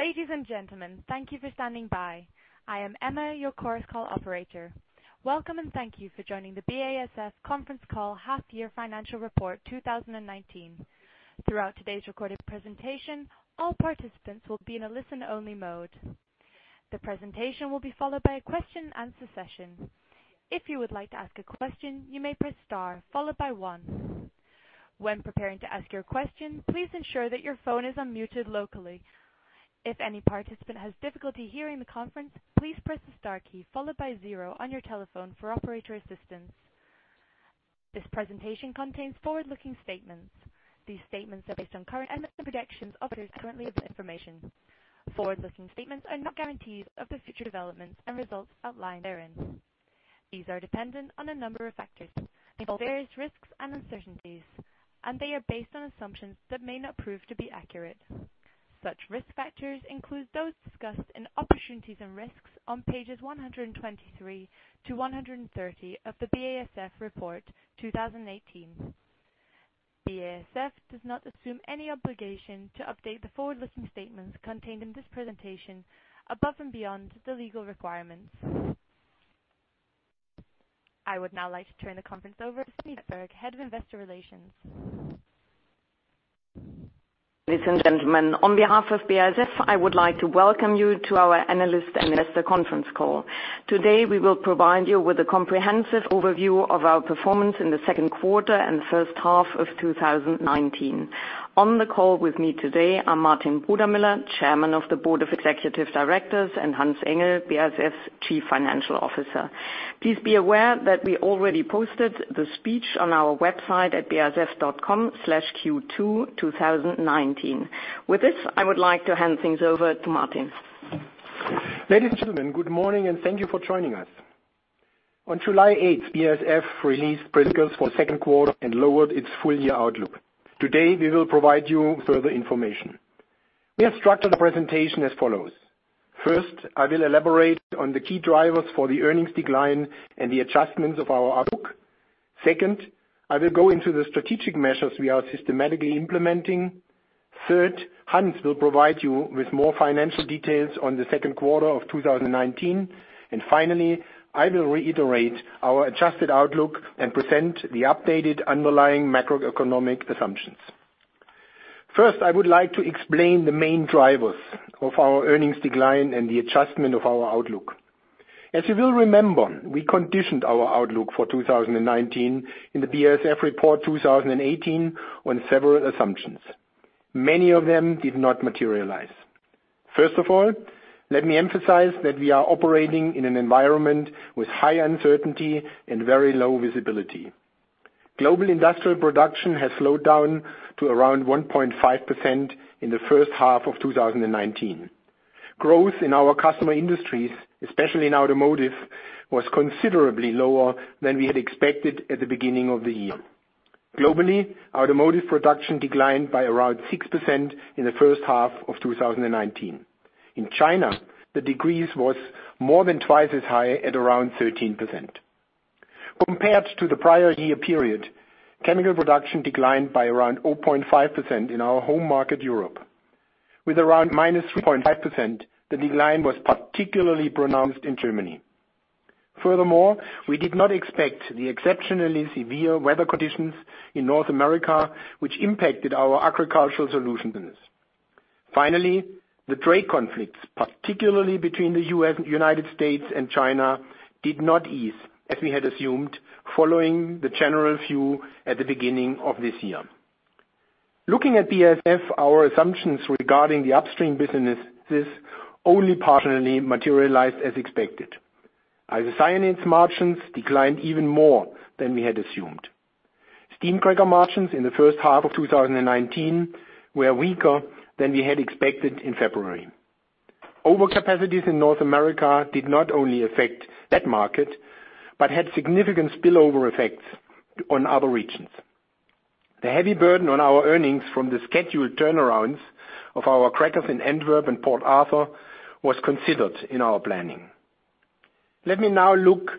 Ladies and gentlemen, thank you for standing by. I am Emma, your Chorus Call Operator. Welcome, and thank you for joining the BASF Conference Call Half Year Financial Report 2019. Throughout today's recorded presentation, all participants will be in a listen-only mode. The presentation will be followed by a question and answer session. If you would like to ask a question, you may press star followed by one. When preparing to ask your question, please ensure that your phone is unmuted locally. If any participant has difficulty hearing the conference, please press the star key followed by zero on your telephone for operator assistance. This presentation contains forward-looking statements. These statements are based on current projections of current information. Forward-looking statements are not guarantees of the future developments and results outlined therein. These are dependent on a number of factors, involve various risks and uncertainties, and they are based on assumptions that may not prove to be accurate. Such risk factors include those discussed in opportunities and risks on pages 123 to 130 of the BASF Report 2019. BASF does not assume any obligation to update the forward-looking statements contained in this presentation above and beyond the legal requirements. I would now like to turn the conference over to Stefanie Wettberg, Head of Investor Relations. Ladies and gentlemen, on behalf of BASF, I would like to welcome you to our analyst and investor conference call. Today, we will provide you with a comprehensive overview of our performance in the second quarter and first half of 2019. On the call with me today are Martin Brudermüller, Chairman of the Board of Executive Directors, and Hans Engel, BASF's Chief Financial Officer. Please be aware that we already posted the speech on our website at basf.com/Q22019. With this, I would like to hand things over to Martin. Ladies and gentlemen, good morning, thank you for joining us. On July 8, BASF released press release for the second quarter and lowered its full-year outlook. Today, we will provide you further information. We have structured the presentation as follows. First, I will elaborate on the key drivers for the earnings decline and the adjustments of our outlook. Second, I will go into the strategic measures we are systematically implementing. Third, Hans will provide you with more financial details on the second quarter of 2019. Finally, I will reiterate our adjusted outlook and present the updated underlying macroeconomic assumptions. First, I would like to explain the main drivers of our earnings decline and the adjustment of our outlook. As you will remember, we conditioned our outlook for 2019 in the BASF Report 2018 on several assumptions. Many of them did not materialize. First of all, let me emphasize that we are operating in an environment with high uncertainty and very low visibility. Global industrial production has slowed down to around 1.5% in the first half of 2019. Growth in our customer industries, especially in automotive, was considerably lower than we had expected at the beginning of the year. Globally, automotive production declined by around 6% in the first half of 2019. In China, the decrease was more than twice as high at around 13%. Compared to the prior year period, chemical production declined by around 0.5% in our home market, Europe. With around -3.5%, the decline was particularly pronounced in Germany. Furthermore, we did not expect the exceptionally severe weather conditions in North America, which impacted our Agricultural Solutions business. Finally, the trade conflicts, particularly between the United States and China, did not ease as we had assumed following the general view at the beginning of this year. Looking at BASF, our assumptions regarding the upstream businesses only partially materialized as expected. Isocyanates margins declined even more than we had assumed. Steam cracker margins in the first half of 2019 were weaker than we had expected in February. Overcapacities in North America did not only affect that market, but had significant spillover effects on other regions. The heavy burden on our earnings from the scheduled turnarounds of our crackers in Antwerp and Port Arthur was considered in our planning. Let me now look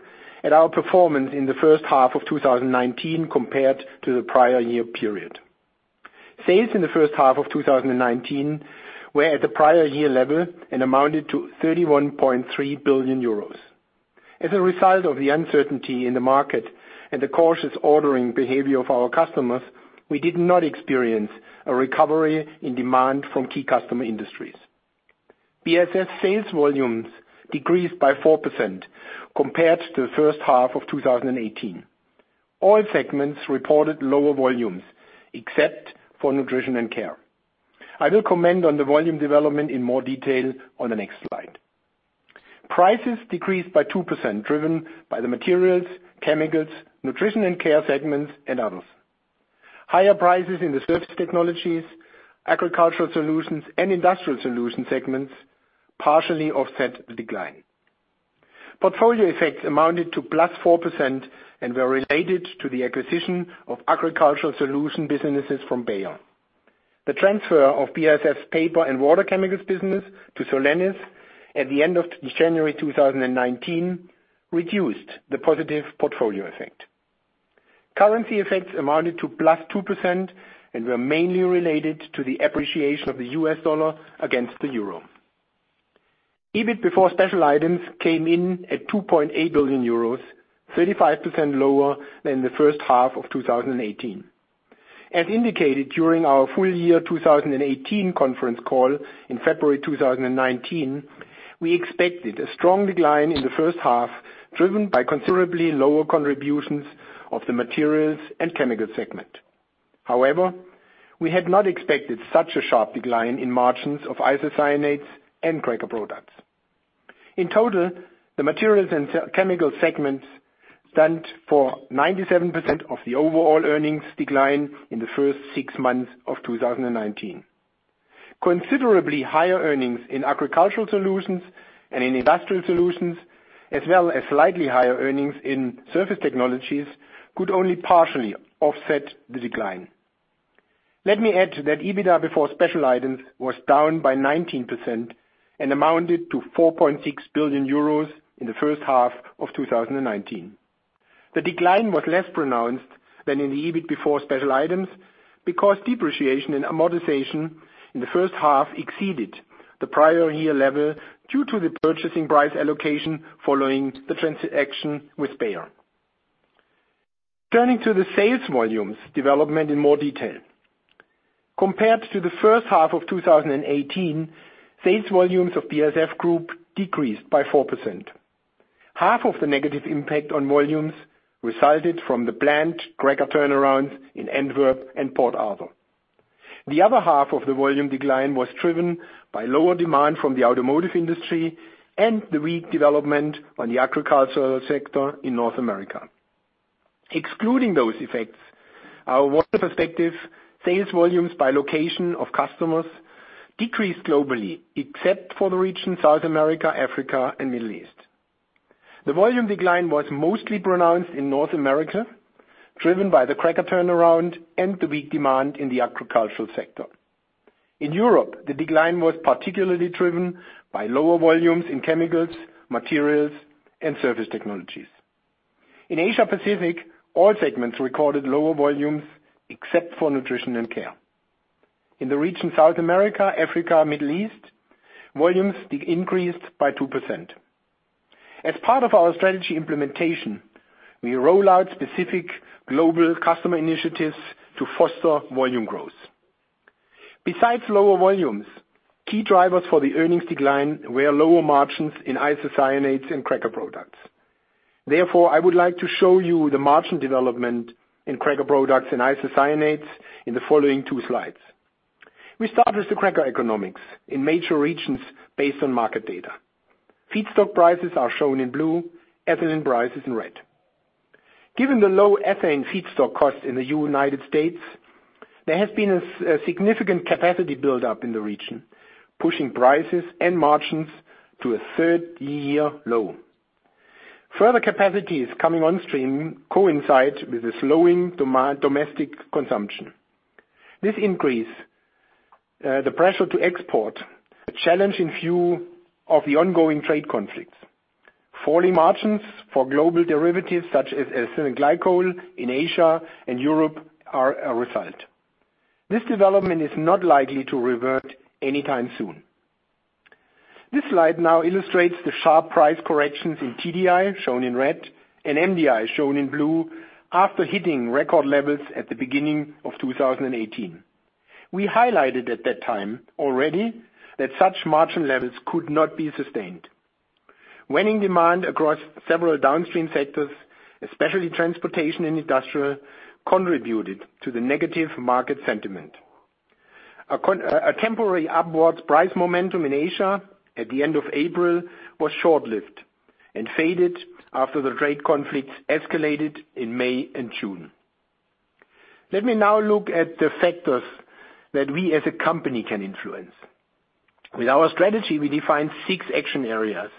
at our performance in the first half of 2019 compared to the prior year period. Sales in the first half of 2019 were at the prior year level and amounted to 31.3 billion euros. As a result of the uncertainty in the market and the cautious ordering behavior of our customers, we did not experience a recovery in demand from key customer industries. BASF sales volumes decreased by 4% compared to the first half of 2018. All segments reported lower volumes except for Nutrition and Care. I will comment on the volume development in more detail on the next slide. Prices decreased by 2%, driven by the materials, chemicals, Nutrition and Care segments, and others. Higher prices in the Surface Technologies, Agricultural Solutions, and Industrial Solutions segments partially offset the decline. Portfolio effects amounted to +4% and were related to the acquisition of agricultural solution businesses from Bayer. The transfer of BASF paper and water chemicals business to Solenis at the end of January 2019 reduced the positive portfolio effect. Currency effects amounted to +2% and were mainly related to the appreciation of the U.S. dollar against the euro. EBIT before special items came in at 2.8 billion euros, 35% lower than the first half of 2018. As indicated during our full year 2018 conference call in February 2019, we expected a strong decline in the first half, driven by considerably lower contributions of the Materials and Chemical segment. However, we had not expected such a sharp decline in margins of isocyanates and cracker products. In total, the Materials and Chemical segments stand for 97% of the overall earnings decline in the first six months of 2019. Considerably higher earnings in Agricultural Solutions and in Industrial Solutions, as well as slightly higher earnings in Surface Technologies, could only partially offset the decline. Let me add to that, EBITDA before special items was down by 19% and amounted to 4.6 billion euros in the first half of 2019. The decline was less pronounced than in the EBIT before special items, because depreciation and amortization in the first half exceeded the prior year level due to the purchase price allocation following the transaction with Bayer. Turning to the sales volumes development in more detail. Compared to the first half of 2018, sales volumes of BASF Group decreased by 4%. Half of the negative impact on volumes resulted from the planned cracker turnarounds in Antwerp and Port Arthur. The other half of the volume decline was driven by lower demand from the automotive industry and the weak development on the agricultural sector in North America. Excluding those effects, our water perspective sales volumes by location of customers decreased globally, except for the region South America, Africa, and Middle East. The volume decline was mostly pronounced in North America, driven by the cracker turnaround and the weak demand in the agricultural sector. In Europe, the decline was particularly driven by lower volumes in chemicals, materials, and surface technologies. In Asia Pacific, all segments recorded lower volumes except for Nutrition and Care. In the region South America, Africa, Middle East, volumes increased by 2%. As part of our strategy implementation, we roll out specific global customer initiatives to foster volume growth. Besides lower volumes, key drivers for the earnings decline were lower margins in isocyanates and cracker products. Therefore, I would like to show you the margin development in cracker products and isocyanates in the following two slides. We start with the cracker economics in major regions based on market data. Feedstock prices are shown in blue, ethylene prices in red. Given the low ethylene feedstock cost in the United States, there has been a significant capacity buildup in the region, pushing prices and margins to a 30-year low. Further capacities coming on stream coincide with a slowing domestic consumption. This increase, the pressure to export, a challenge in view of the ongoing trade conflicts. Falling margins for global derivatives such as ethylene glycol in Asia and Europe are a result. This development is not likely to revert anytime soon. This slide now illustrates the sharp price corrections in TDI, shown in red, and MDI, shown in blue, after hitting record levels at the beginning of 2018. We highlighted at that time already that such margin levels could not be sustained. Waning demand across several downstream sectors, especially transportation and industrial, contributed to the negative market sentiment. A temporary upwards price momentum in Asia at the end of April was short-lived and faded after the trade conflicts escalated in May and June. Let me now look at the factors that we as a company can influence. With our strategy, we define six action areas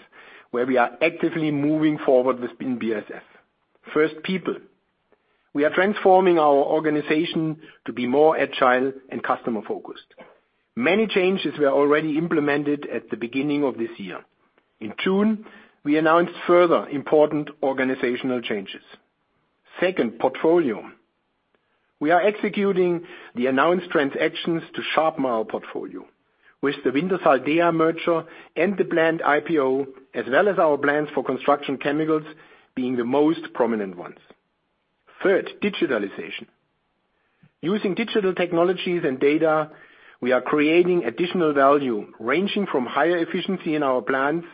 where we are actively moving forward with spin BASF. First, people. We are transforming our organization to be more agile and customer-focused. Many changes were already implemented at the beginning of this year. In June, we announced further important organizational changes. Second, portfolio. We are executing the announced transactions to sharpen our portfolio. With the Wintershall Dea merger and the planned IPO, as well as our plans for construction chemicals being the most prominent ones. Third, digitalization. Using digital technologies and data, we are creating additional value, ranging from higher efficiency in our plants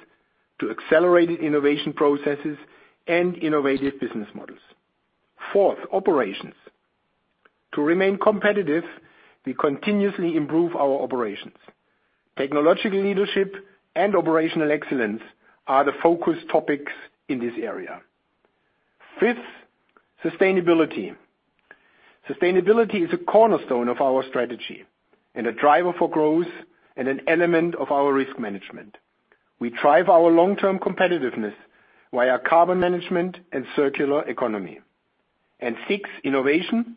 to accelerated innovation processes and innovative business models. Fourth, operations. To remain competitive, we continuously improve our operations. Technological leadership and operational excellence are the focus topics in this area. Fifth, sustainability. Sustainability is a cornerstone of our strategy and a driver for growth and an element of our risk management. We drive our long-term competitiveness via carbon management and circular economy. Sixth, innovation.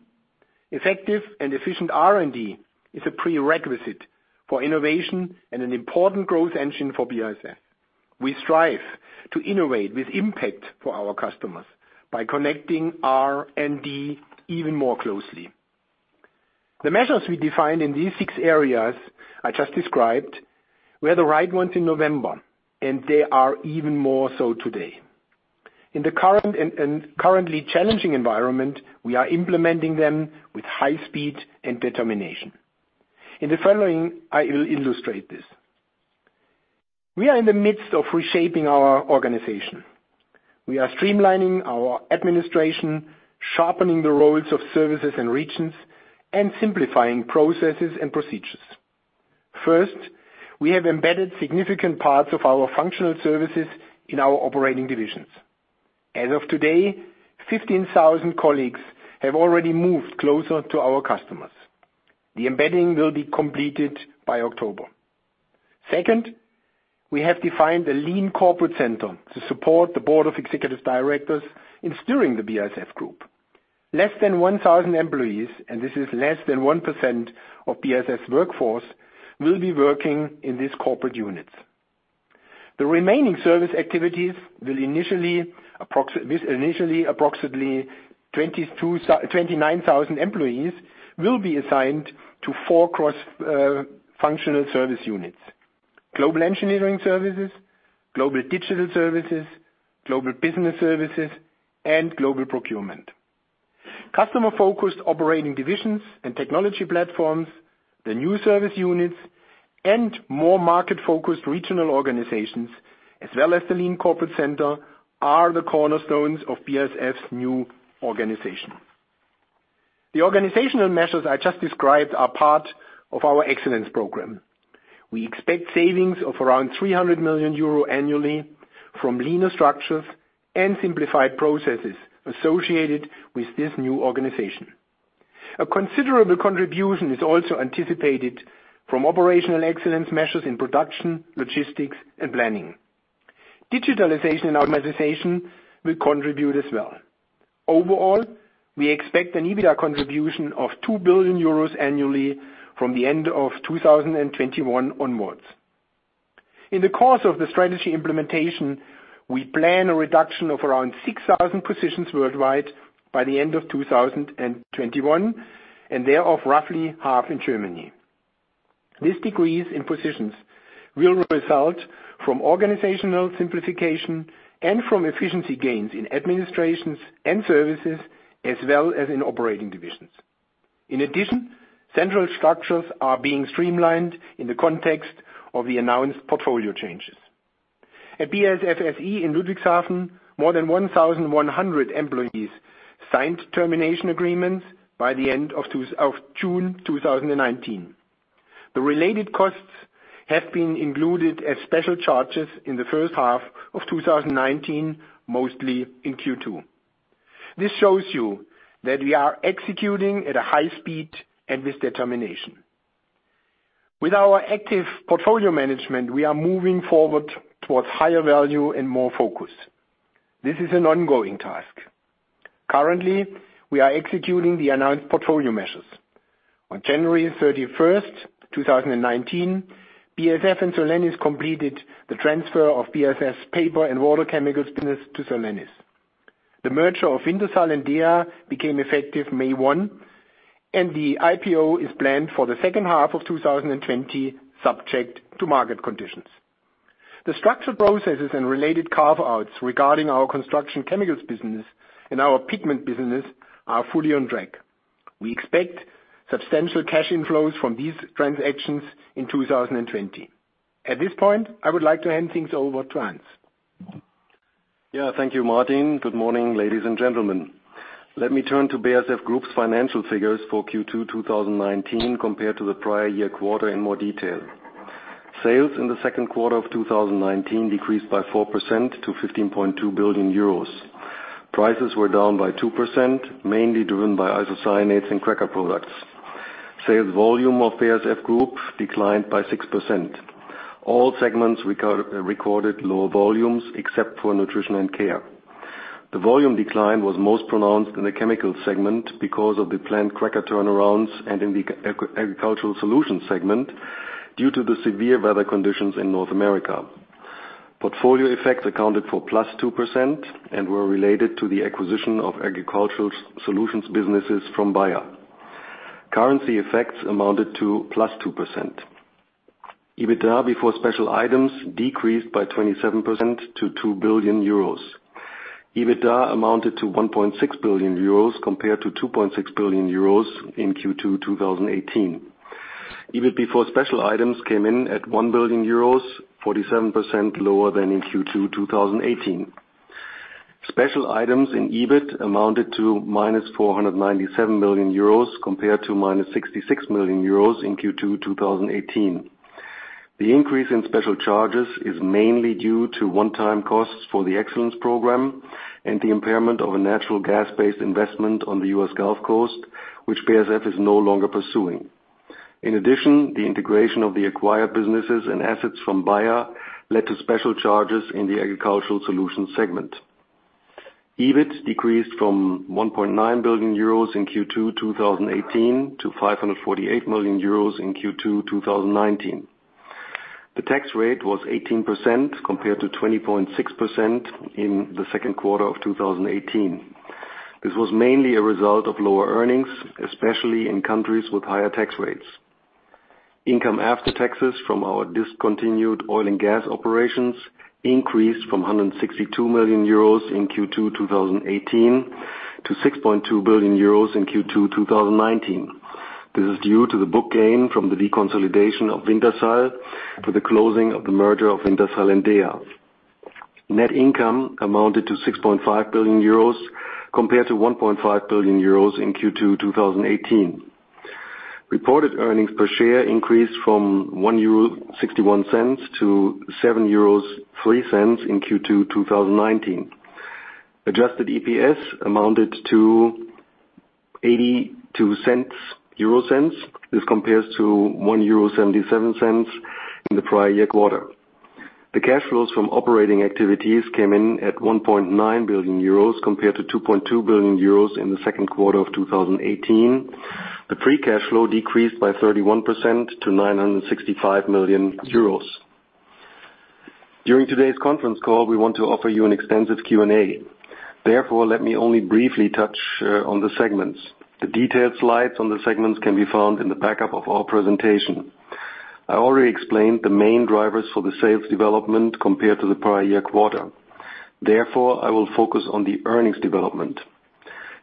Effective and efficient R&D is a prerequisite for innovation and an important growth engine for BASF. We strive to innovate with impact for our customers by connecting R&D even more closely. The measures we defined in these six areas I just described were the right ones in November, and they are even more so today. In the currently challenging environment, we are implementing them with high speed and determination. In the following, I will illustrate this. We are in the midst of reshaping our organization. We are streamlining our administration, sharpening the roles of services and regions, and simplifying processes and procedures. First, we have embedded significant parts of our functional services in our operating divisions. As of today, 15,000 colleagues have already moved closer to our customers. The embedding will be completed by October. Second, we have defined a lean corporate center to support the Board of Executive Directors in steering the BASF Group. Less than 1,000 employees, and this is less than 1% of BASF workforce, will be working in these corporate units. The remaining service activities, this initially approximately 29,000 employees, will be assigned to four cross-functional service units: Global Engineering Services, Global Digital Services, Global Business Services, and Global Procurement. Customer-focused operating divisions and technology platforms, the new service units, and more market-focused regional organizations, as well as the lean corporate center, are the cornerstones of BASF's new organization. The organizational measures I just described are part of our excellence program. We expect savings of around 300 million euro annually from leaner structures and simplified processes associated with this new organization. A considerable contribution is also anticipated from operational excellence measures in production, logistics, and planning. Digitalization and optimization will contribute as well. Overall, we expect an EBITDA contribution of 2 billion euros annually from the end of 2021 onwards. In the course of the strategy implementation, we plan a reduction of around 6,000 positions worldwide by the end of 2021. Thereof, roughly half in Germany. This decrease in positions will result from organizational simplification and from efficiency gains in administrations and services, as well as in operating divisions. In addition, central structures are being streamlined in the context of the announced portfolio changes. At BASF SE in Ludwigshafen, more than 1,100 employees signed termination agreements by the end of June 2019. The related costs have been included as special charges in the first half of 2019, mostly in Q2. This shows you that we are executing at a high speed and with determination. With our active portfolio management, we are moving forward towards higher value and more focus. This is an ongoing task. Currently, we are executing the announced portfolio measures. On January 31st, 2019, BASF and Solenis completed the transfer of BASF paper and water chemicals business to Solenis. The merger of Wintershall and Dea became effective May 1, and the IPO is planned for the second half of 2020, subject to market conditions. The structural processes and related carve-outs regarding our construction chemicals business and our pigment business are fully on track. We expect substantial cash inflows from these transactions in 2020. At this point, I would like to hand things over to Hans. Thank you, Martin. Good morning, ladies and gentlemen. Let me turn to BASF Group's financial figures for Q2 2019 compared to the prior year quarter in more detail. Sales in the second quarter of 2019 decreased by 4% to 15.2 billion euros. Prices were down by 2%, mainly driven by isocyanates and cracker products. Sales volume of BASF Group declined by 6%. All segments recorded lower volumes except for Nutrition and Care. The volume decline was most pronounced in the chemical segment because of the planned cracker turnarounds and in the Agricultural Solutions segment, due to the severe weather conditions in North America. Portfolio effects accounted for +2% and were related to the acquisition of Agricultural Solutions businesses from Bayer. Currency effects amounted to +2%. EBITDA before special items decreased by 27% to 2 billion euros. EBITDA amounted to 1.6 billion euros compared to 2.6 billion euros in Q2 2018. EBIT before special items came in at 1 billion euros, 47% lower than in Q2 2018. Special items in EBIT amounted to minus 497 million euros compared to minus 66 million euros in Q2 2018. The increase in special charges is mainly due to one-time costs for the excellence program and the impairment of a natural gas-based investment on the U.S. Gulf Coast, which BASF is no longer pursuing. In addition, the integration of the acquired businesses and assets from Bayer led to special charges in the Agricultural Solutions segment. EBIT decreased from 1.9 billion euros in Q2 2018 to 548 million euros in Q2 2019. The tax rate was 18% compared to 20.6% in the second quarter of 2018. This was mainly a result of lower earnings, especially in countries with higher tax rates. Income after taxes from our discontinued oil and gas operations increased from 162 million euros in Q2 2018 to 6.2 billion euros in Q2 2019. This is due to the book gain from the deconsolidation of Wintershall to the closing of the merger of Wintershall and Dea. Net income amounted to 6.5 billion euros compared to 1.5 billion euros in Q2 2018. Reported earnings per share increased from 1.61 euro to 7.03 euros in Q2 2019. Adjusted EPS amounted to EUR 0.82. This compares to 1.77 euro in the prior year quarter. The cash flows from operating activities came in at 1.9 billion euros compared to 2.2 billion euros in the second quarter of 2018. The free cash flow decreased by 31% to 965 million euros. During today's conference call, we want to offer you an extensive Q&A. Therefore, let me only briefly touch on the segments. The detailed slides on the segments can be found in the backup of our presentation. I already explained the main drivers for the sales development compared to the prior year quarter. I will focus on the earnings development.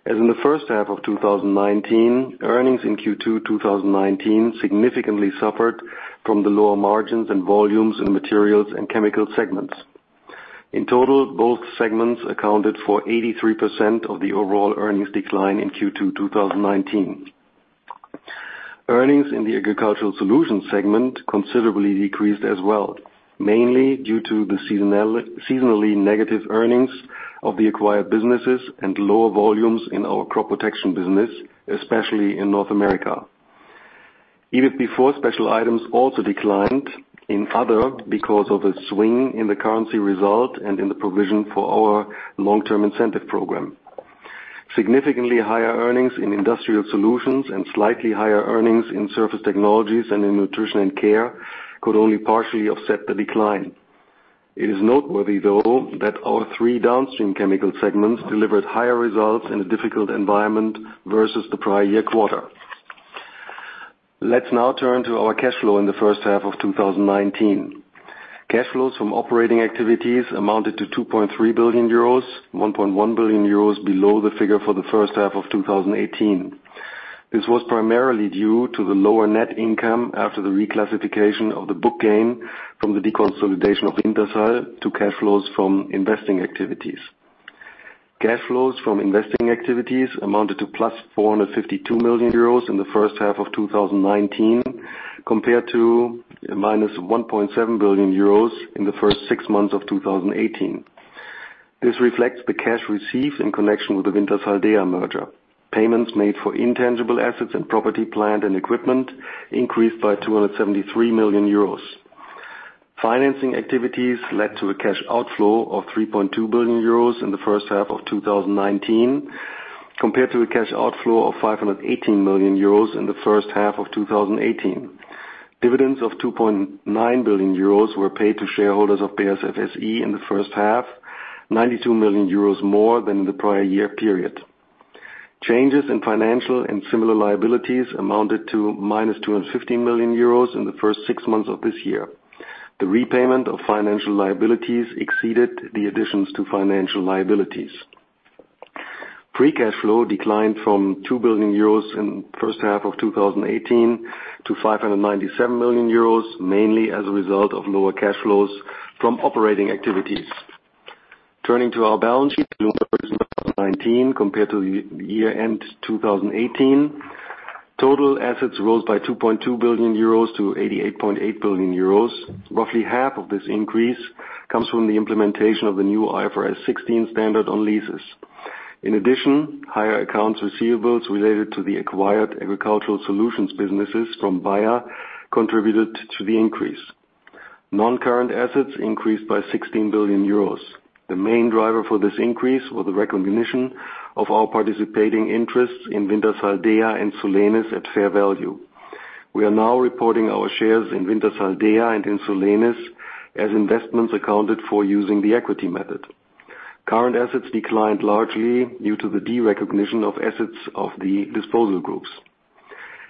As in the first half of 2019, earnings in Q2 2019 significantly suffered from the lower margins and volumes in the Materials and Chemicals segments. In total, both segments accounted for 83% of the overall earnings decline in Q2 2019. Earnings in the Agricultural Solutions segment considerably decreased as well, mainly due to the seasonally negative earnings of the acquired businesses and lower volumes in our crop protection business, especially in North America. EBIT before special items also declined in other because of a swing in the currency result and in the provision for our long-term incentive program. Significantly higher earnings in Industrial Solutions and slightly higher earnings in Surface Technologies and in Nutrition and Care could only partially offset the decline. It is noteworthy, though, that our three downstream chemical segments delivered higher results in a difficult environment versus the prior year quarter. Let's now turn to our cash flow in the first half of 2019. Cash flows from operating activities amounted to 2.3 billion euros, 1.1 billion euros below the figure for the first half of 2018. This was primarily due to the lower net income after the reclassification of the book gain from the deconsolidation of Wintershall to cash flows from investing activities. Cash flows from investing activities amounted to plus 452 million euros in the first half of 2019, compared to minus 1.7 billion euros in the first six months of 2018. This reflects the cash received in connection with the Wintershall Dea merger. Payments made for intangible assets and property, plant, and equipment increased by 273 million euros. Financing activities led to a cash outflow of 3.2 billion euros in the first half of 2019, compared to a cash outflow of 518 million euros in the first half of 2018. Dividends of 2.9 billion euros were paid to shareholders of BASF SE in the first half, 92 million euros more than in the prior year period. Changes in financial and similar liabilities amounted to minus 250 million euros in the first six months of this year. The repayment of financial liabilities exceeded the additions to financial liabilities. Free cash flow declined from 2 billion euros in the first half of 2018 to 597 million euros, mainly as a result of lower cash flows from operating activities. Turning to our balance sheet numbers 2019 compared to the year-end 2018. Total assets rose by 2.2 billion euros to 88.8 billion euros. Roughly half of this increase comes from the implementation of the new IFRS 16 standard on leases. Higher accounts receivables related to the acquired Agricultural Solutions businesses from Bayer contributed to the increase. Non-current assets increased by 16 billion euros. The main driver for this increase was the recognition of our participating interests in Wintershall Dea and Solenis at fair value. We are now reporting our shares in Wintershall Dea and in Solenis as investments accounted for using the equity method. Current assets declined largely due to the derecognition of assets of the disposal groups.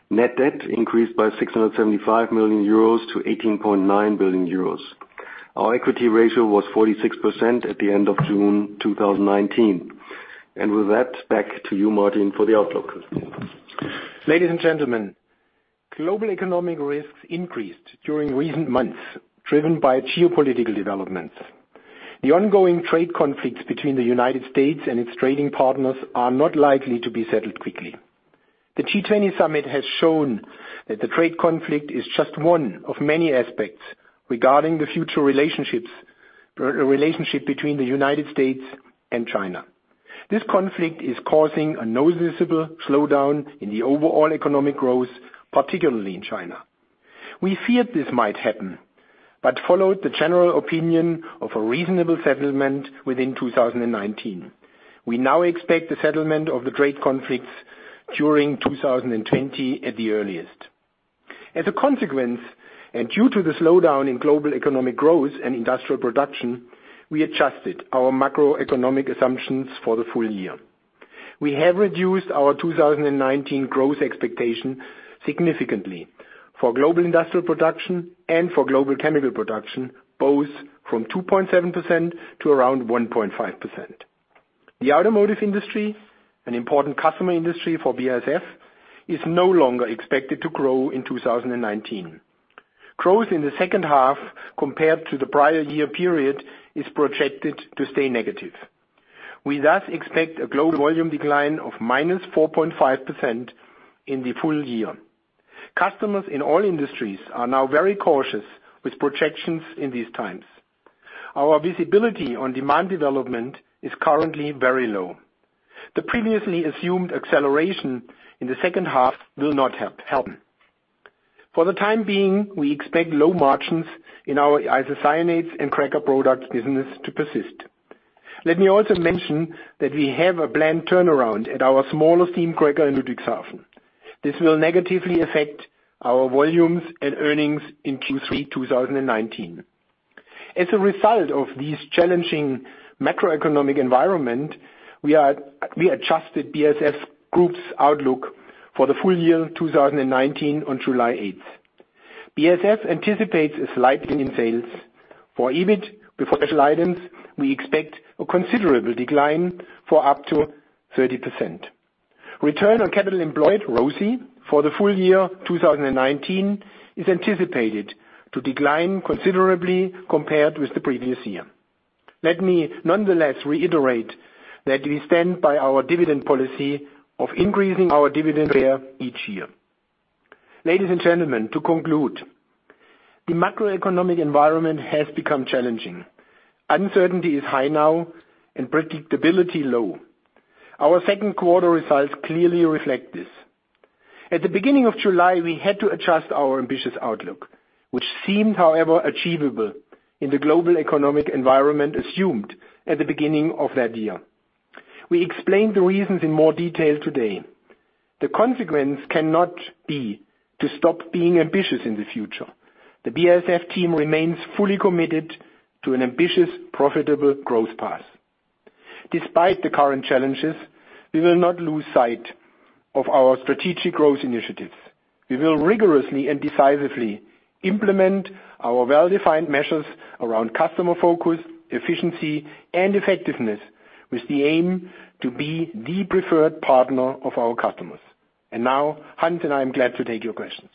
Net debt increased by 675 million euros to 18.9 billion euros. Our equity ratio was 46% at the end of June 2019. With that, back to you, Martin, for the outlook. Ladies and gentlemen, global economic risks increased during recent months, driven by geopolitical developments. The ongoing trade conflicts between the U.S. and its trading partners are not likely to be settled quickly. The G20 summit has shown that the trade conflict is just one of many aspects regarding the future relationship between the U.S. and China. This conflict is causing a noticeable slowdown in the overall economic growth, particularly in China. We feared this might happen, but followed the general opinion of a reasonable settlement within 2019. We now expect the settlement of the trade conflicts during 2020 at the earliest. As a consequence, and due to the slowdown in global economic growth and industrial production, we adjusted our macroeconomic assumptions for the full year. We have reduced our 2019 growth expectation significantly for global industrial production and for global chemical production, both from 2.7% to around 1.5%. The automotive industry, an important customer industry for BASF, is no longer expected to grow in 2019. Growth in the second half compared to the prior year period is projected to stay negative. We thus expect a global volume decline of minus 4.5% in the full year. Customers in all industries are now very cautious with projections in these times. Our visibility on demand development is currently very low. The previously assumed acceleration in the second half will not happen. For the time being, we expect low margins in our isocyanates and cracker products business to persist. Let me also mention that we have a planned turnaround at our smaller steam cracker in Ludwigshafen. This will negatively affect our volumes and earnings in Q3 2019. As a result of this challenging macroeconomic environment, we adjusted BASF Group's outlook for the full year 2019 on July 8th. BASF anticipates a slight gain in sales. For EBIT, before special items, we expect a considerable decline for up to 30%. Return on capital employed, ROCE, for the full year 2019 is anticipated to decline considerably compared with the previous year. Let me nonetheless reiterate that we stand by our dividend policy of increasing our dividend payout each year. Ladies and gentlemen, to conclude, the macroeconomic environment has become challenging. Uncertainty is high now and predictability low. Our second quarter results clearly reflect this. At the beginning of July, we had to adjust our ambitious outlook, which seemed, however, achievable in the global economic environment assumed at the beginning of that year. We explained the reasons in more detail today. The consequence cannot be to stop being ambitious in the future. The BASF team remains fully committed to an ambitious, profitable growth path. Despite the current challenges, we will not lose sight of our strategic growth initiatives. We will rigorously and decisively implement our well-defined measures around customer focus, efficiency, and effectiveness with the aim to be the preferred partner of our customers. Now, Hans and I am glad to take your questions.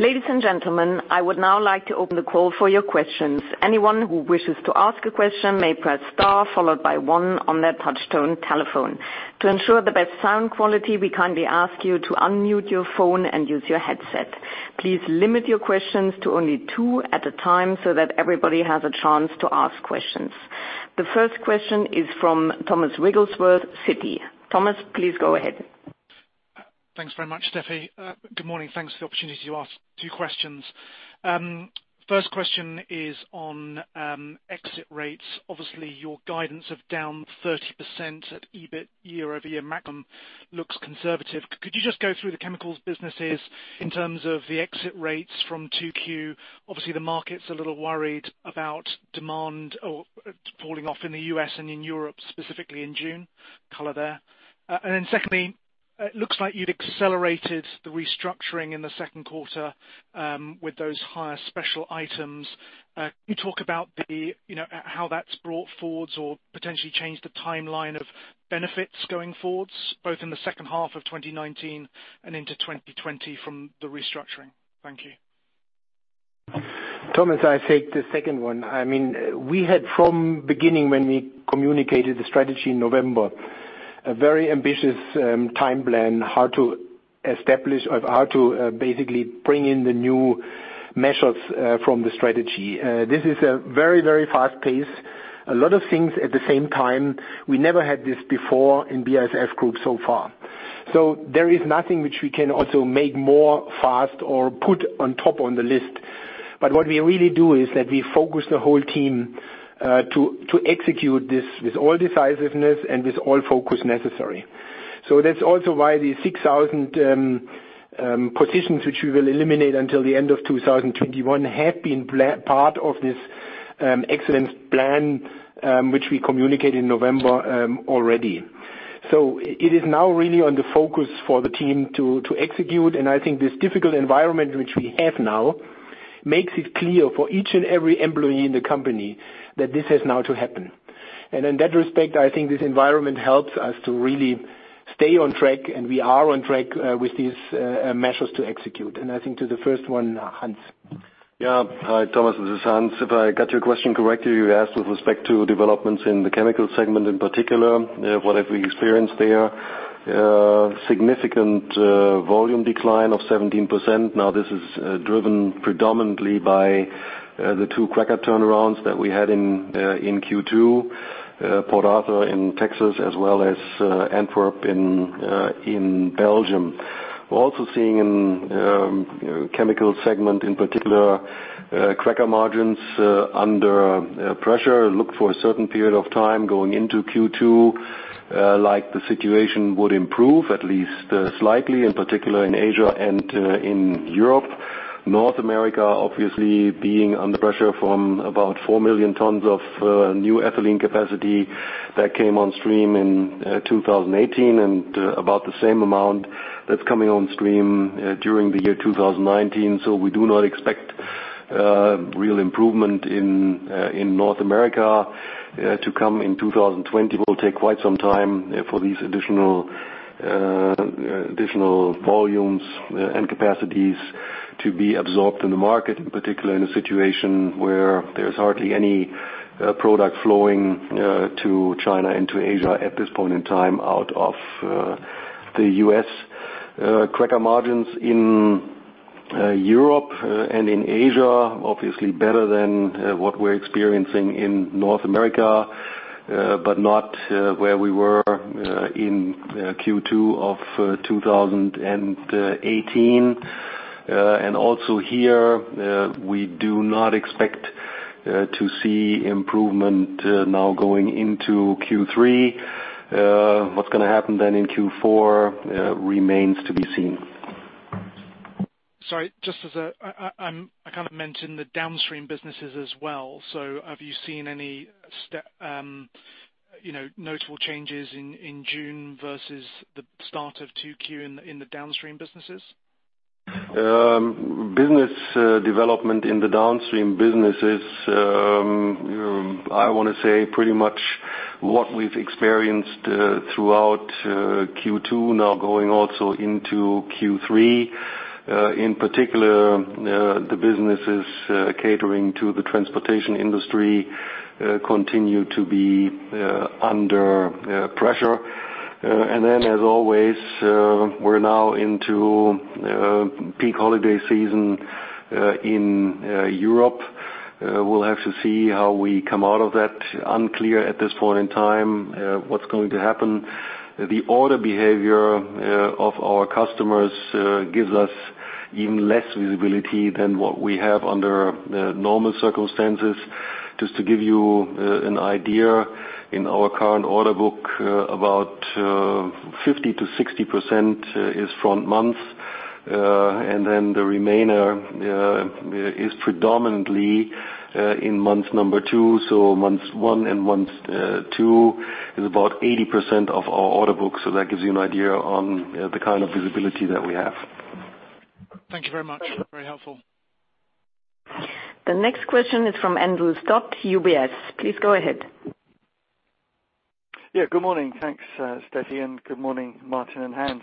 Ladies and gentlemen, I would now like to open the call for your questions. Anyone who wishes to ask a question may press star followed by one on their touch-tone telephone. To ensure the best sound quality, we kindly ask you to unmute your phone and use your headset. Please limit your questions to only two at a time so that everybody has a chance to ask questions. The first question is from Thomas Wrigglesworth, Citi. Thomas, please go ahead. Thanks very much, Steffi. Good morning. Thanks for the opportunity to ask two questions. First question is on exit rates. Obviously, your guidance of down 30% at EBIT year-over-year maximum looks conservative. Could you just go through the chemicals businesses in terms of the exit rates from 2Q? Obviously, the market's a little worried about demand falling off in the U.S. and in Europe, specifically in June, color there. Then secondly, it looks like you'd accelerated the restructuring in the second quarter with those higher special items. Can you talk about how that's brought forwards or potentially changed the timeline of benefits going forwards, both in the second half of 2019 and into 2020 from the restructuring? Thank you. Thomas, I take the second one. We had from beginning, when we communicated the strategy in November, a very ambitious time plan, how to basically bring in the new measures from the strategy. This is a very fast pace. A lot of things at the same time. We never had this before in BASF Group so far. There is nothing which we can also make more fast or put on top on the list. What we really do is that we focus the whole team to execute this with all decisiveness and with all focus necessary. That's also why the 6,000 positions which we will eliminate until the end of 2021 have been part of this excellence program, which we communicated in November already. It is now really on the focus for the team to execute. I think this difficult environment which we have now makes it clear for each and every employee in the company that this has now to happen. In that respect, I think this environment helps us to really stay on track, and we are on track with these measures to execute. I think to the first one, Hans. Yeah. Hi, Thomas, this is Hans. If I got your question correctly, you asked with respect to developments in the Chemical segment in particular, what have we experienced there? A significant volume decline of 17%. This is driven predominantly by the two cracker turnarounds that we had in Q2, Port Arthur in Texas as well as Antwerp in Belgium. We're also seeing in Chemical segment, in particular, cracker margins under pressure. Looked for a certain period of time going into Q2 like the situation would improve, at least slightly, in particular in Asia and in Europe. North America, obviously being under pressure from about 4 million tons of new ethylene capacity that came on stream in 2018, and about the same amount that's coming on stream during the year 2019. We do not expect real improvement in North America to come in 2020, will take quite some time for these additional volumes and capacities to be absorbed in the market, in particular, in a situation where there's hardly any product flowing to China and to Asia at this point in time out of the U.S. Cracker margins in Europe and in Asia, obviously better than what we're experiencing in North America, but not where we were in Q2 of 2018. Also here, we do not expect to see improvement now going into Q3. What's going to happen then in Q4 remains to be seen. Sorry, just as I kind of mentioned the downstream businesses as well. Have you seen any notable changes in June versus the start of 2Q in the downstream businesses? Business development in the downstream businesses, I want to say pretty much what we've experienced throughout Q2 now going also into Q3. In particular, the businesses catering to the transportation industry continue to be under pressure. As always, we're now into peak holiday season in Europe. We'll have to see how we come out of that. Unclear at this point in time what's going to happen. The order behavior of our customers gives us even less visibility than what we have under normal circumstances. Just to give you an idea, in our current order book, about 50%-60% is front month, and then the remainder is predominantly in month number two, so months one and month two is about 80% of our order book. That gives you an idea on the kind of visibility that we have. Thank you very much. Very helpful. The next question is from Andrew Stott, UBS. Please go ahead. Good morning. Thanks, Steffi, and good morning, Martin and Hans.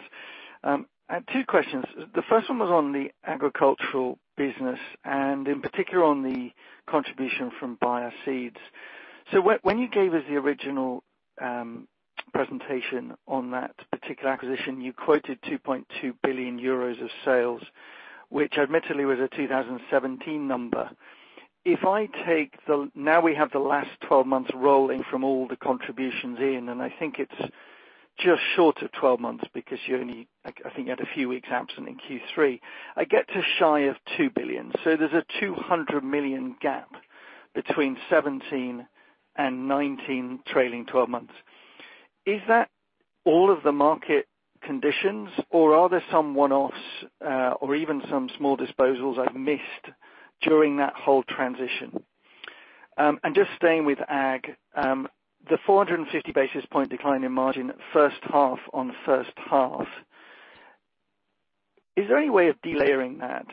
I have two questions. The first one was on the agricultural business and in particular on the contribution from Bayer Seeds. When you gave us the original presentation on that particular acquisition, you quoted 2.2 billion euros of sales, which admittedly was a 2017 number. If I take now we have the last 12 months rolling from all the contributions in, and I think it's just short of 12 months because you're only, I think, you had a few weeks absent in Q3, I get to shy of 2 billion. There's a 200 million gap between 2017 and 2019 trailing 12 months. Is that all of the market conditions, or are there some one-offs or even some small disposals I've missed during that whole transition? Just staying with Ag, the 450 basis point decline in margin first half on first half. Is there any way of delayering that?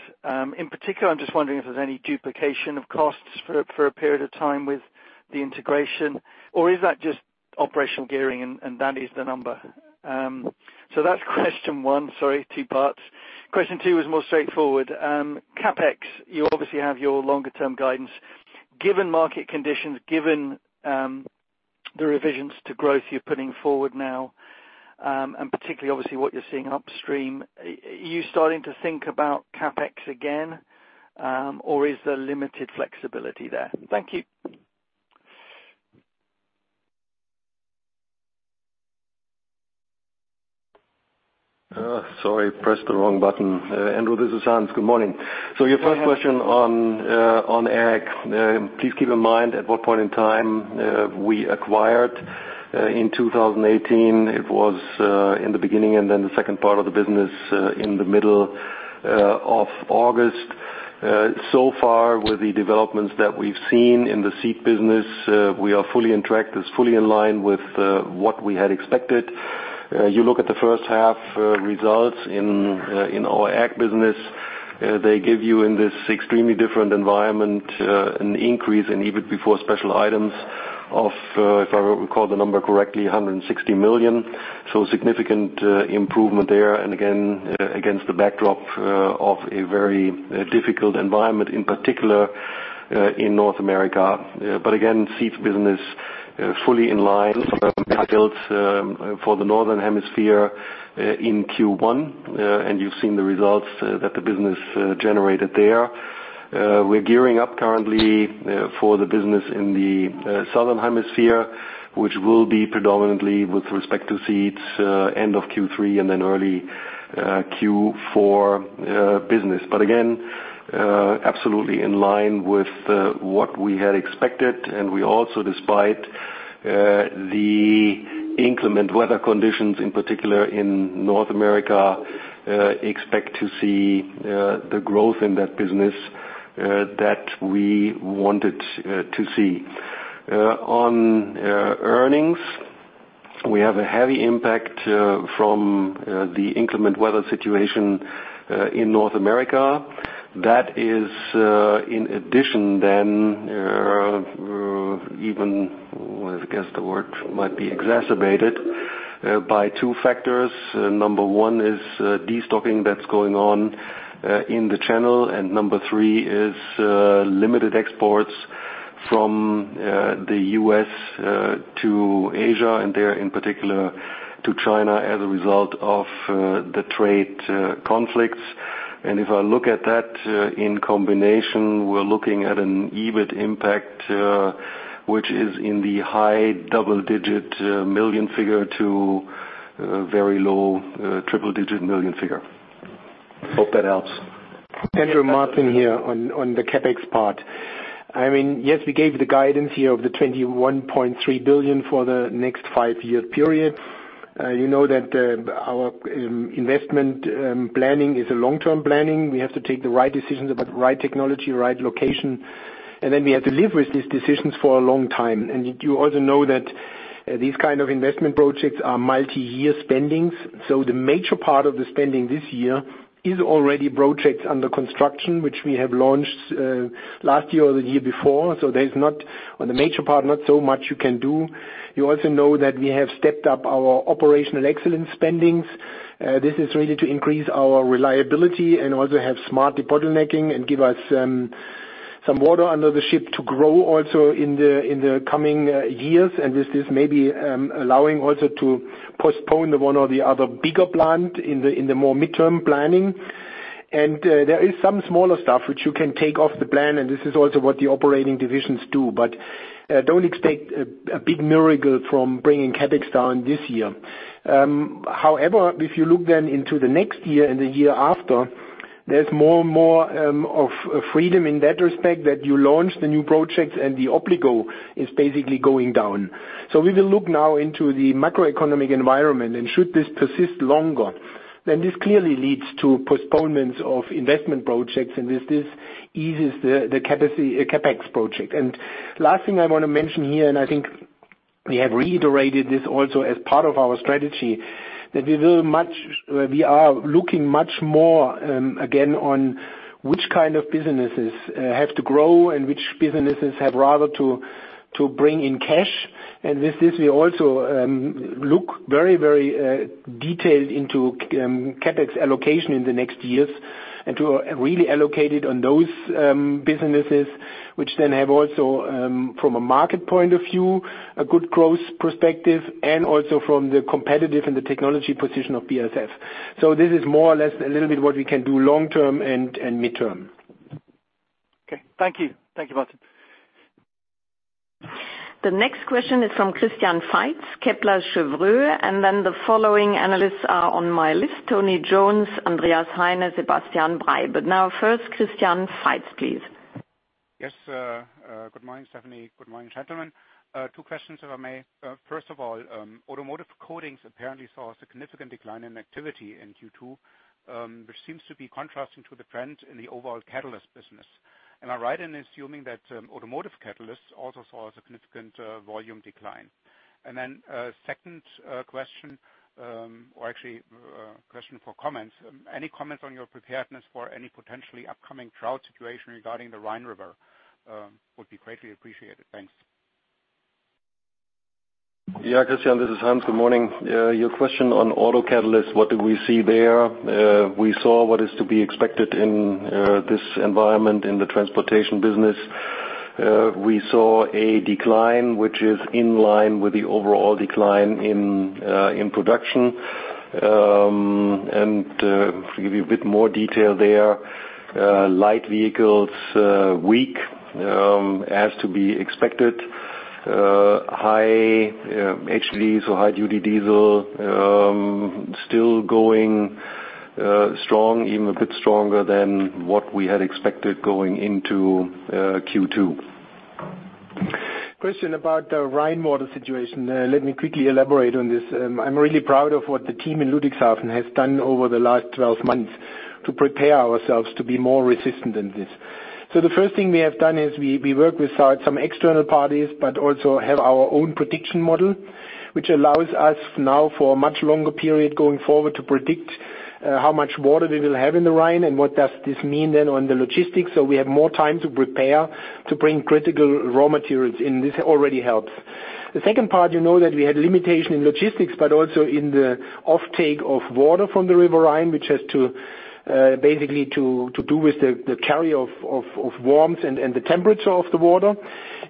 In particular, I'm just wondering if there's any duplication of costs for a period of time with the integration, or is that just operational gearing and that is the number? That's question one. Sorry, two parts. Question two is more straightforward. CapEx, you obviously have your longer term guidance. Given market conditions, given the revisions to growth you're putting forward now, and particularly obviously what you're seeing upstream, are you starting to think about CapEx again? Or is there limited flexibility there? Thank you. Sorry, pressed the wrong button. Andrew, this is Hans. Good morning. Your first question on ag. Please keep in mind at what point in time we acquired in 2018, it was in the beginning and then the second part of the business in the middle of August. Far with the developments that we've seen in the seed business, we are fully on track, it's fully in line with what we had expected. You look at the first half results in our ag business, they give you in this extremely different environment, an increase in, even before special items of, if I recall the number correctly, 160 million. Significant improvement there. Again, against the backdrop of a very difficult environment, in particular in North America. Again, seed business fully in line for the northern hemisphere in Q1, and you've seen the results that the business generated there. We're gearing up currently for the business in the southern hemisphere, which will be predominantly with respect to seeds, end of Q3, and then early Q4 business. Again, absolutely in line with what we had expected, and we also, despite the inclement weather conditions, in particular in North America, expect to see the growth in that business that we wanted to see. On earnings, we have a heavy impact from the inclement weather situation in North America. That is in addition, I guess the word might be exacerbated by two factors. Number one is destocking that's going on in the channel, and Number three is limited exports from the U.S. to Asia, and there, in particular, to China as a result of the trade conflicts. If I look at that in combination, we're looking at an EBIT impact, which is in the high double-digit million figure to very low triple-digit million figure. Hope that helps. Andrew Martin here on the CapEx part. We gave the guidance here of 21.3 billion for the next five-year period. You know that our investment planning is a long-term planning. We have to take the right decisions about the right technology, right location, then we have to live with these decisions for a long time. You also know that these kind of investment projects are multi-year spendings. The major part of the spending this year is already projects under construction, which we have launched last year or the year before. There's not, on the major part, not so much you can do. You also know that we have stepped up our operational excellence spendings. This is really to increase our reliability and also have smart de-bottlenecking and give us some water under the ship to grow also in the coming years. This is maybe allowing also to postpone the one or the other bigger plant in the more mid-term planning. There is some smaller stuff which you can take off the plan, and this is also what the operating divisions do. Don't expect a big miracle from bringing CapEx down this year. However, if you look then into the next year and the year after, there's more of freedom in that respect that you launch the new projects and the obligo is basically going down. We will look now into the macroeconomic environment, and should this persist longer, then this clearly leads to postponements of investment projects, and this eases the CapEx project. Last thing I want to mention here, and I think we have reiterated this also as part of our strategy, that we are looking much more, again, on which kind of businesses have to grow and which businesses have rather to bring in cash. With this, we also look very detailed into CapEx allocation in the next years and to really allocate it on those businesses which then have also, from a market point of view, a good growth perspective and also from the competitive and the technology position of BASF. This is more or less a little bit what we can do long-term and mid-term. Okay. Thank you. Thank you, Martin. The next question is from Christian Faitz, Kepler Cheuvreux, and then the following analysts are on my list: Tony Jones, Andreas Heine, Sebastian Bray. Now first, Christian Faitz, please. Yes, good morning, Stefanie. Good morning, gentlemen. Two questions, if I may. First of all, automotive coatings apparently saw a significant decline in activity in Q2, which seems to be contrasting to the trend in the overall catalyst business. Am I right in assuming that automotive catalysts also saw a significant volume decline? Second question, or actually a question for comments. Any comments on your preparedness for any potentially upcoming drought situation regarding the Rhine River would be greatly appreciated. Thanks. Yeah, Christian, this is Hans. Good morning. Your question on auto catalyst, what do we see there? We saw what is to be expected in this environment in the transportation business. We saw a decline, which is in line with the overall decline in production. To give you a bit more detail there, light vehicles, weak, as to be expected. High HDs or heavy duty diesel, still going strong, even a bit stronger than what we had expected going into Q2. Question about the Rhine water situation. Let me quickly elaborate on this. I'm really proud of what the team in Ludwigshafen has done over the last 12 months to prepare ourselves to be more resistant than this. The first thing we have done is we work with some external parties, but also have our own prediction model, which allows us now for a much longer period going forward to predict how much water we will have in the Rhine and what does this mean then on the logistics. We have more time to prepare to bring critical raw materials in. This already helps. The second part, you know that we had limitation in logistics, but also in the off-take of water from the River Rhine, which has basically to do with the carry of warmth and the temperature of the water.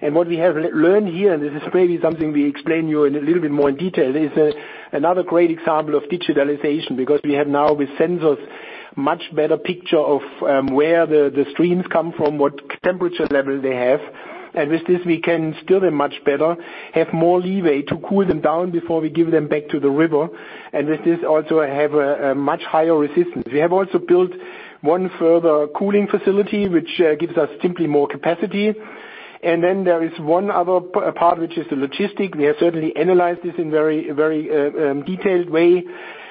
What we have learned here, and this is maybe something we explain you a little bit more in detail, is another great example of digitalization because we have now, with sensors, much better picture of where the streams come from, what temperature level they have. With this, we can steer them much better, have more leeway to cool them down before we give them back to the river. With this also have a much higher resistance. We have also built one further cooling facility, which gives us simply more capacity. There is one other part, which is the logistic. We have certainly analyzed this in very detailed way.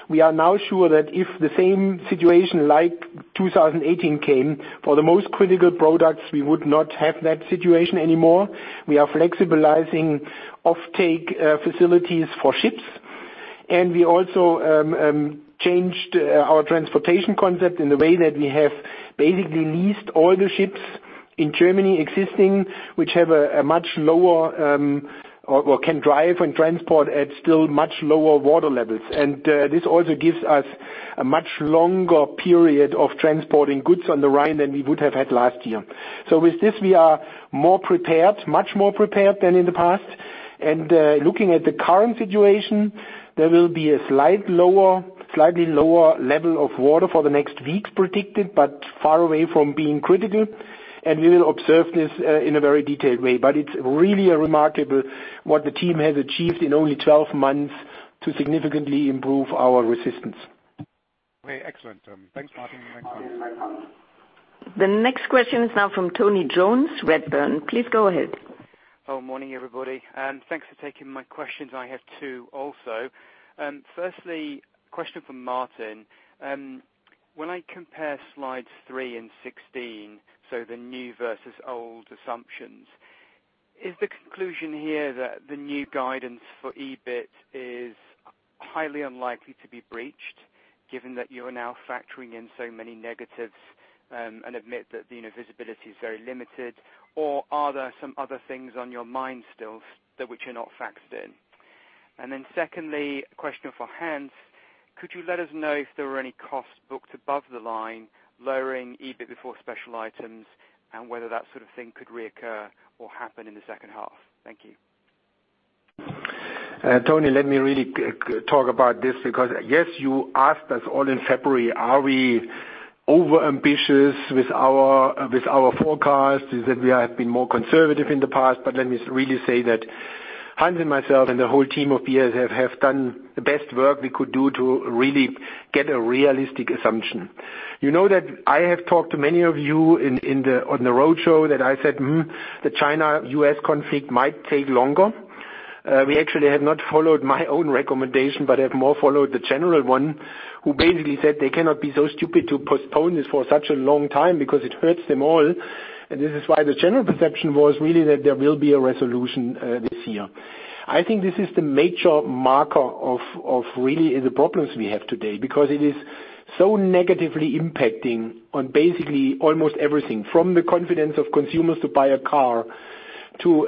We are now sure that if the same situation like 2018 came, for the most critical products, we would not have that situation anymore. We are flexibilizing off-take facilities for ships. We also changed our transportation concept in the way that we have basically leased all the ships in Germany existing, which can drive and transport at still much lower water levels. This also gives us a much longer period of transporting goods on the Rhine than we would have had last year. With this, we are more prepared, much more prepared than in the past. Looking at the current situation, there will be a slightly lower level of water for the next weeks predicted, but far away from being critical. We will observe this in a very detailed way. It's really remarkable what the team has achieved in only 12 months to significantly improve our resistance. Okay. Excellent. Thanks, Martin. The next question is now from Tony Jones, Redburn. Please go ahead. Morning, everybody, thanks for taking my questions. I have two also. Firstly, question for Martin. When I compare slides three and 16, so the new versus old assumptions, is the conclusion here that the new guidance for EBIT is highly unlikely to be breached, given that you are now factoring in so many negatives, and admit that the visibility is very limited? Are there some other things on your mind still, which are not factored in? Secondly, a question for Hans. Could you let us know if there were any costs booked above the line lowering EBIT before special items, and whether that sort of thing could reoccur or happen in the second half? Thank you. Tony, let me really talk about this because, yes, you asked us all in February, are we overambitious with our forecast? Is it we have been more conservative in the past, let me really say that Hans and myself and the whole team of BASF have done the best work we could do to really get a realistic assumption. You know that I have talked to many of you on the roadshow that I said the China-U.S. conflict might take longer. We actually have not followed my own recommendation, have more followed the general one, who basically said they cannot be so stupid to postpone this for such a long time because it hurts them all. This is why the general perception was really that there will be a resolution this year. I think this is the major marker of really the problems we have today, because it is so negatively impacting on basically almost everything, from the confidence of consumers to buy a car to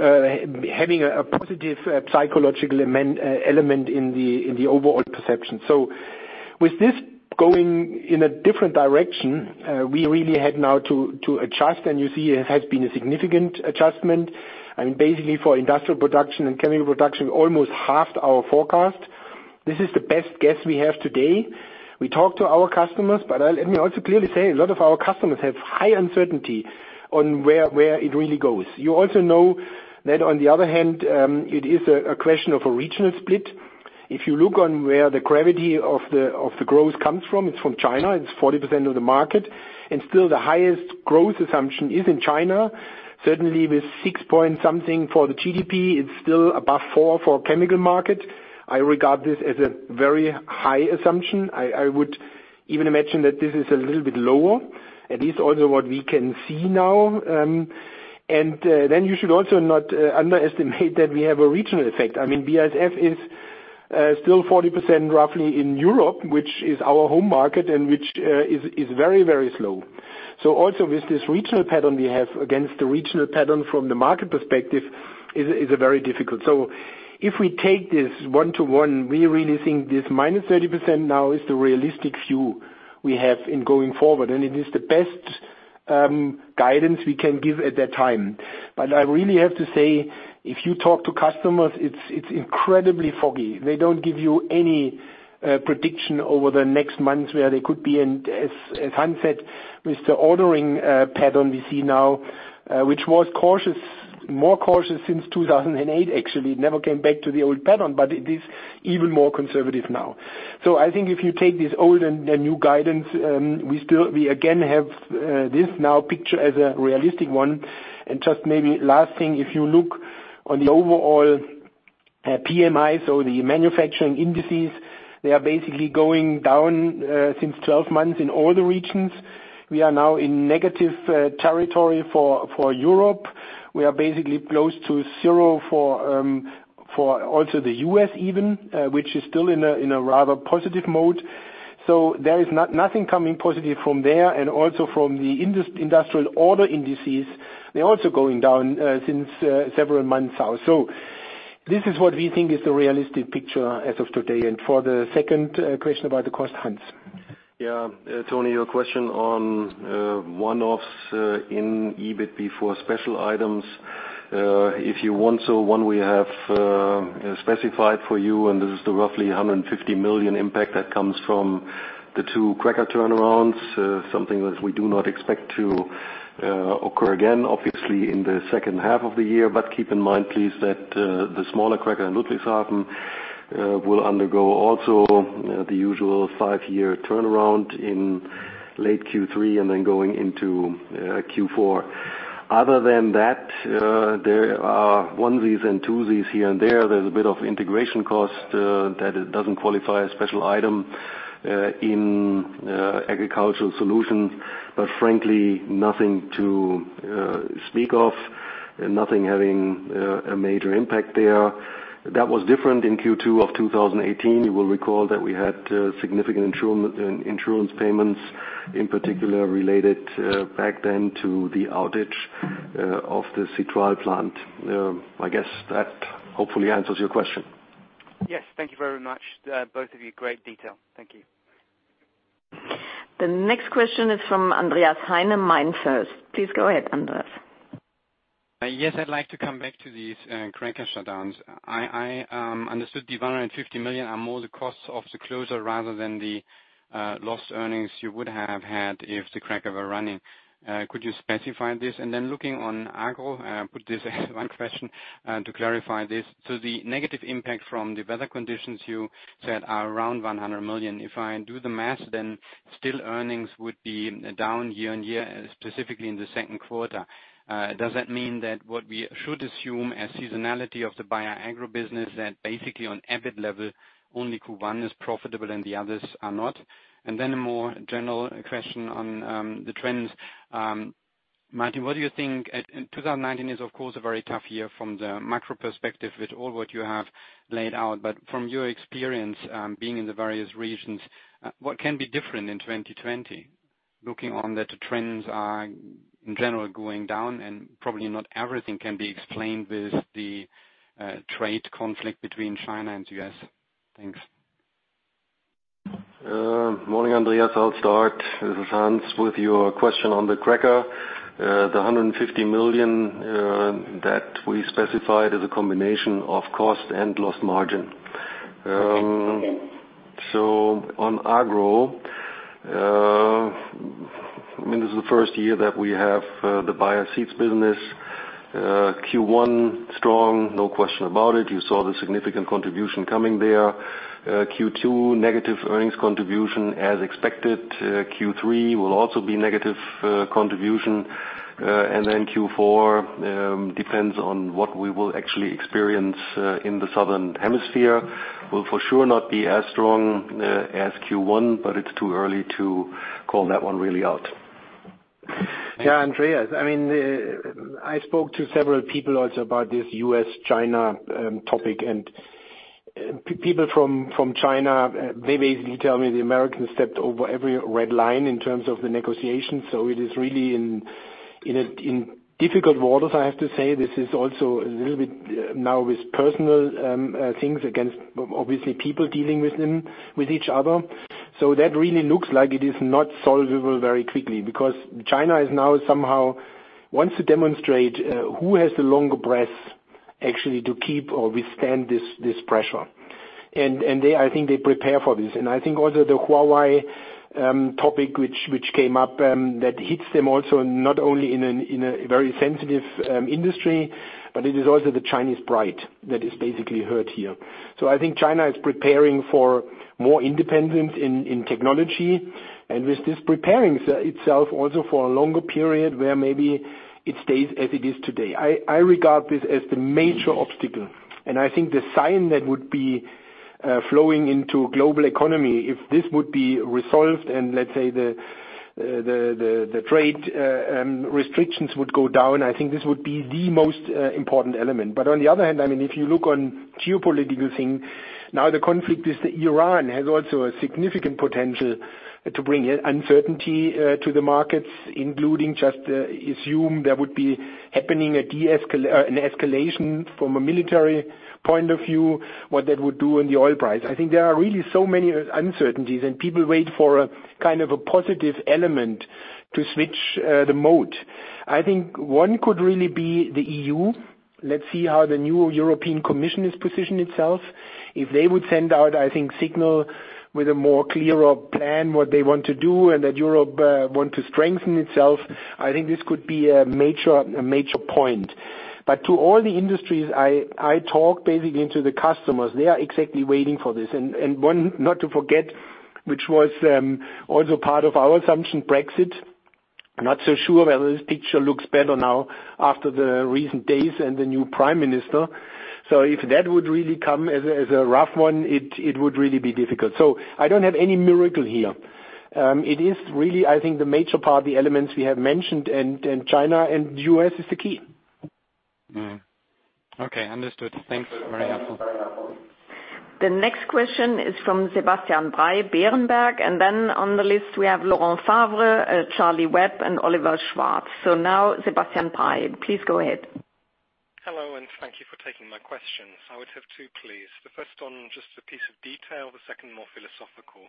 having a positive psychological element in the overall perception. With this going in a different direction, we really had now to adjust, and you see it has been a significant adjustment. Basically for industrial production and chemical production, we almost halved our forecast. This is the best guess we have today. We talk to our customers, but let me also clearly say a lot of our customers have high uncertainty on where it really goes. You also know that on the other hand, it is a question of a regional split. If you look on where the gravity of the growth comes from, it's from China, it's 40% of the market. Still the highest growth assumption is in China. Certainly with six point something for the GDP, it's still above four for chemical market. I regard this as a very high assumption. I would even imagine that this is a little bit lower. This also what we can see now. You should also not underestimate that we have a regional effect. BASF is still 40% roughly in Europe, which is our home market. Which is very slow. Also with this regional pattern we have against the regional pattern from the market perspective is very difficult. If we take this one to one, we really think this -30% now is the realistic view we have in going forward. It is the best guidance we can give at that time. I really have to say, if you talk to customers, it's incredibly foggy. They don't give you any prediction over the next months where they could be. As Hans said, with the ordering pattern we see now, which was cautious, more cautious since 2008, actually. It never came back to the old pattern, but it is even more conservative now. I think if you take this old and the new guidance, we again have this now pictured as a realistic one. Just maybe last thing, if you look on the overall PMIs or the manufacturing indices, they are basically going down since 12 months in all the regions. We are now in negative territory for Europe. We are basically close to zero for also the U.S. even, which is still in a rather positive mode. There is nothing coming positive from there and also from the industrial order indices. They're also going down since several months out. This is what we think is the realistic picture as of today. For the second question about the cost, Hans. Tony, your question on one-offs in EBIT before special items. If you want so one we have specified for you and this is the roughly 150 million impact that comes from the two cracker turnarounds, something that we do not expect to occur again, obviously in the second half of the year. Keep in mind, please, that the smaller cracker in Ludwigshafen will undergo also the usual five-year turnaround in late Q3 and then going into Q4. Other than that, there are onesies and twosies here and there. There's a bit of integration cost that it doesn't qualify a special item in Agricultural Solutions, but frankly, nothing to speak of. Nothing having a major impact there. That was different in Q2 of 2018. You will recall that we had significant insurance payments, in particular related back then to the outage of the citral plant. I guess that hopefully answers your question. Yes. Thank you very much, both of you. Great detail. Thank you. The next question is from Andreas Heine, MainFirst. Please go ahead, Andreas. Yes, I'd like to come back to these cracker shutdowns. I understood the 150 million are more the cost of the closure rather than the lost earnings you would have had if the cracker were running. Could you specify this? Looking on Agro, put this as one question to clarify this. The negative impact from the weather conditions you said are around 100 million. If I do the math, then still earnings would be down year on year, specifically in the second quarter. Does that mean that what we should assume as seasonality of the Bayer Agro business that basically on EBIT level, only Q1 is profitable and the others are not? A more general question on the trends. Martin, what do you think? 2019 is, of course, a very tough year from the macro perspective with all what you have laid out. From your experience, being in the various regions, what can be different in 2020? Looking on that the trends are in general going down and probably not everything can be explained with the trade conflict between China and U.S. Thanks. Morning, Andreas. I'll start. This is Hans with your question on the cracker. The 150 million that we specified is a combination of cost and lost margin. On Agro, this is the first year that we have the Bayer Seeds business. Q1 strong, no question about it. You saw the significant contribution coming there. Q2, negative earnings contribution as expected. Q3 will also be negative contribution. Q4, depends on what we will actually experience in the southern hemisphere. Will for sure not be as strong as Q1, it's too early to call that one really out. Yeah, Andreas, I spoke to several people also about this U.S.-China topic. People from China, they basically tell me the Americans stepped over every red line in terms of the negotiation. It is really in difficult waters, I have to say. This is also a little bit now with personal things against obviously people dealing with each other. That really looks like it is not solvable very quickly because China is now somehow wants to demonstrate who has the longer breath actually to keep or withstand this pressure. I think they prepare for this. I think also the Huawei topic which came up that hits them also not only in a very sensitive industry, but it is also the Chinese pride that is basically hurt here. I think China is preparing for more independence in technology, and with this preparing itself also for a longer period where maybe it stays as it is today. I regard this as the major obstacle, and I think the sign that would be flowing into global economy if this would be resolved and let's say the trade restrictions would go down, I think this would be the most important element. On the other hand, if you look on geopolitical thing, now the conflict is that Iran has also a significant potential to bring uncertainty to the markets, including just assume there would be happening an escalation from a military point of view, what that would do in the oil price. I think there are really so many uncertainties, and people wait for a kind of a positive element to switch the mode. I think one could really be the EU. Let's see how the new European Commission has positioned itself. If they would send out signal with a more clearer plan what they want to do and that Europe want to strengthen itself, this could be a major point. To all the industries, I talk basically to the customers. They are exactly waiting for this. One not to forget, which was also part of our assumption, Brexit. Not so sure whether this picture looks better now after the recent days and the new prime minister. If that would really come as a rough one, it would really be difficult. I don't have any miracle here. It is really the major part, the elements we have mentioned and China and U.S. is the key. Okay, understood. Thanks very much. The next question is from Sebastian Bray, Berenberg. Then on the list we have Laurent Favre, Charlie Webb, and Oliver Schwarz. Now Sebastian Bray, please go ahead. Hello, thank you for taking my questions. I would have two, please. The first one, just a piece of detail, the second more philosophical.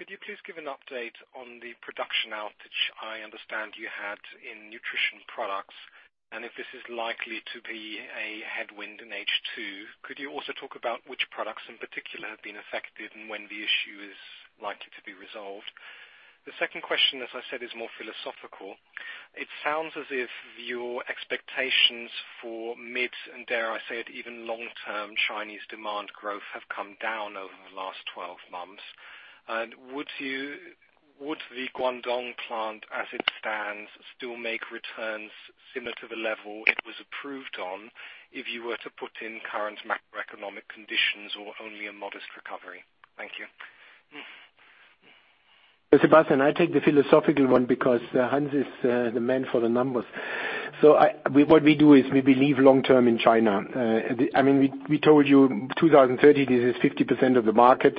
Could you please give an update on the production outage I understand you had in nutrition products, and if this is likely to be a headwind in H2? Could you also talk about which products in particular have been affected and when the issue is likely to be resolved? The second question, as I said, is more philosophical. It sounds as if your expectations for mid, and dare I say it, even long-term Chinese demand growth have come down over the last 12 months. Would the Guangdong plant as it stands, still make returns similar to the level it was approved on, if you were to put in current macroeconomic conditions or only a modest recovery? Thank you. Sebastian, I take the philosophical one because Hans is the man for the numbers. What we do is we believe long-term in China. We told you 2030, this is 50% of the market.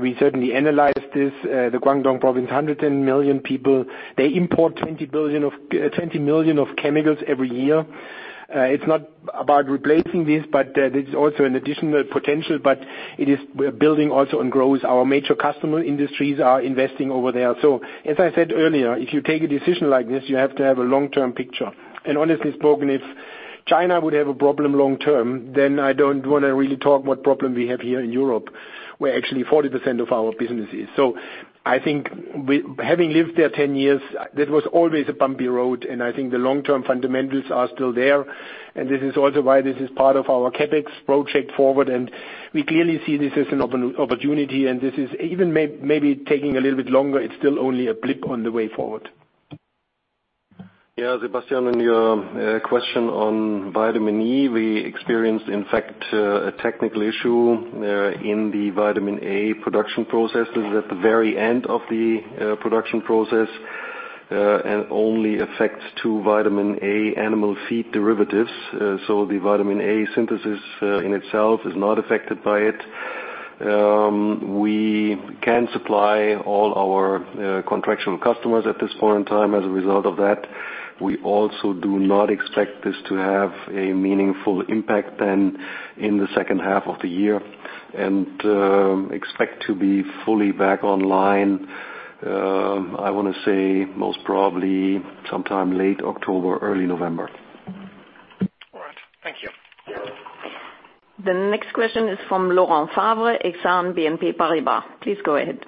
We certainly analyzed this, the Guangdong province, 110 million people. They import 20 million tons of chemicals every year. It's not about replacing this, but it's also an additional potential. We're building also on growth. Our major customer industries are investing over there. As I said earlier, if you take a decision like this, you have to have a long-term picture. Honestly spoken, if China would have a problem long-term, then I don't want to really talk what problem we have here in Europe, where actually 40% of our business is. I think having lived there 10 years, that was always a bumpy road, and I think the long-term fundamentals are still there. This is also why this is part of our CapEx project forward. We clearly see this as an opportunity. This is even maybe taking a little bit longer. It's still only a blip on the way forward. Yeah, Sebastian, on your question on vitamin E, we experienced, in fact, a technical issue in the vitamin A production processes at the very end of the production process, and only affects two vitamin A animal feed derivatives. The vitamin A synthesis in itself is not affected by it. We can supply all our contractual customers at this point in time as a result of that. We also do not expect this to have a meaningful impact then in the second half of the year. Expect to be fully back online, I want to say most probably sometime late October, early November. All right. Thank you. The next question is from Laurent Favre, Exane BNP Paribas. Please go ahead.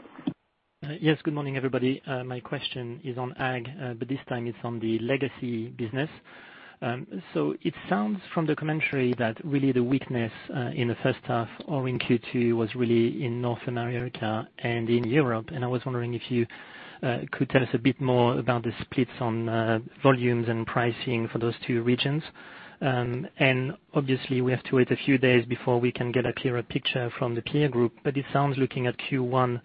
Yes, good morning, everybody. My question is on ag, this time it's on the legacy business. It sounds from the commentary that really the weakness in the first half or in Q2 was really in Northern America and in Europe. I was wondering if you could tell us a bit more about the splits on volumes and pricing for those two regions. Obviously we have to wait a few days before we can get a clearer picture from the peer group, it sounds looking at Q1,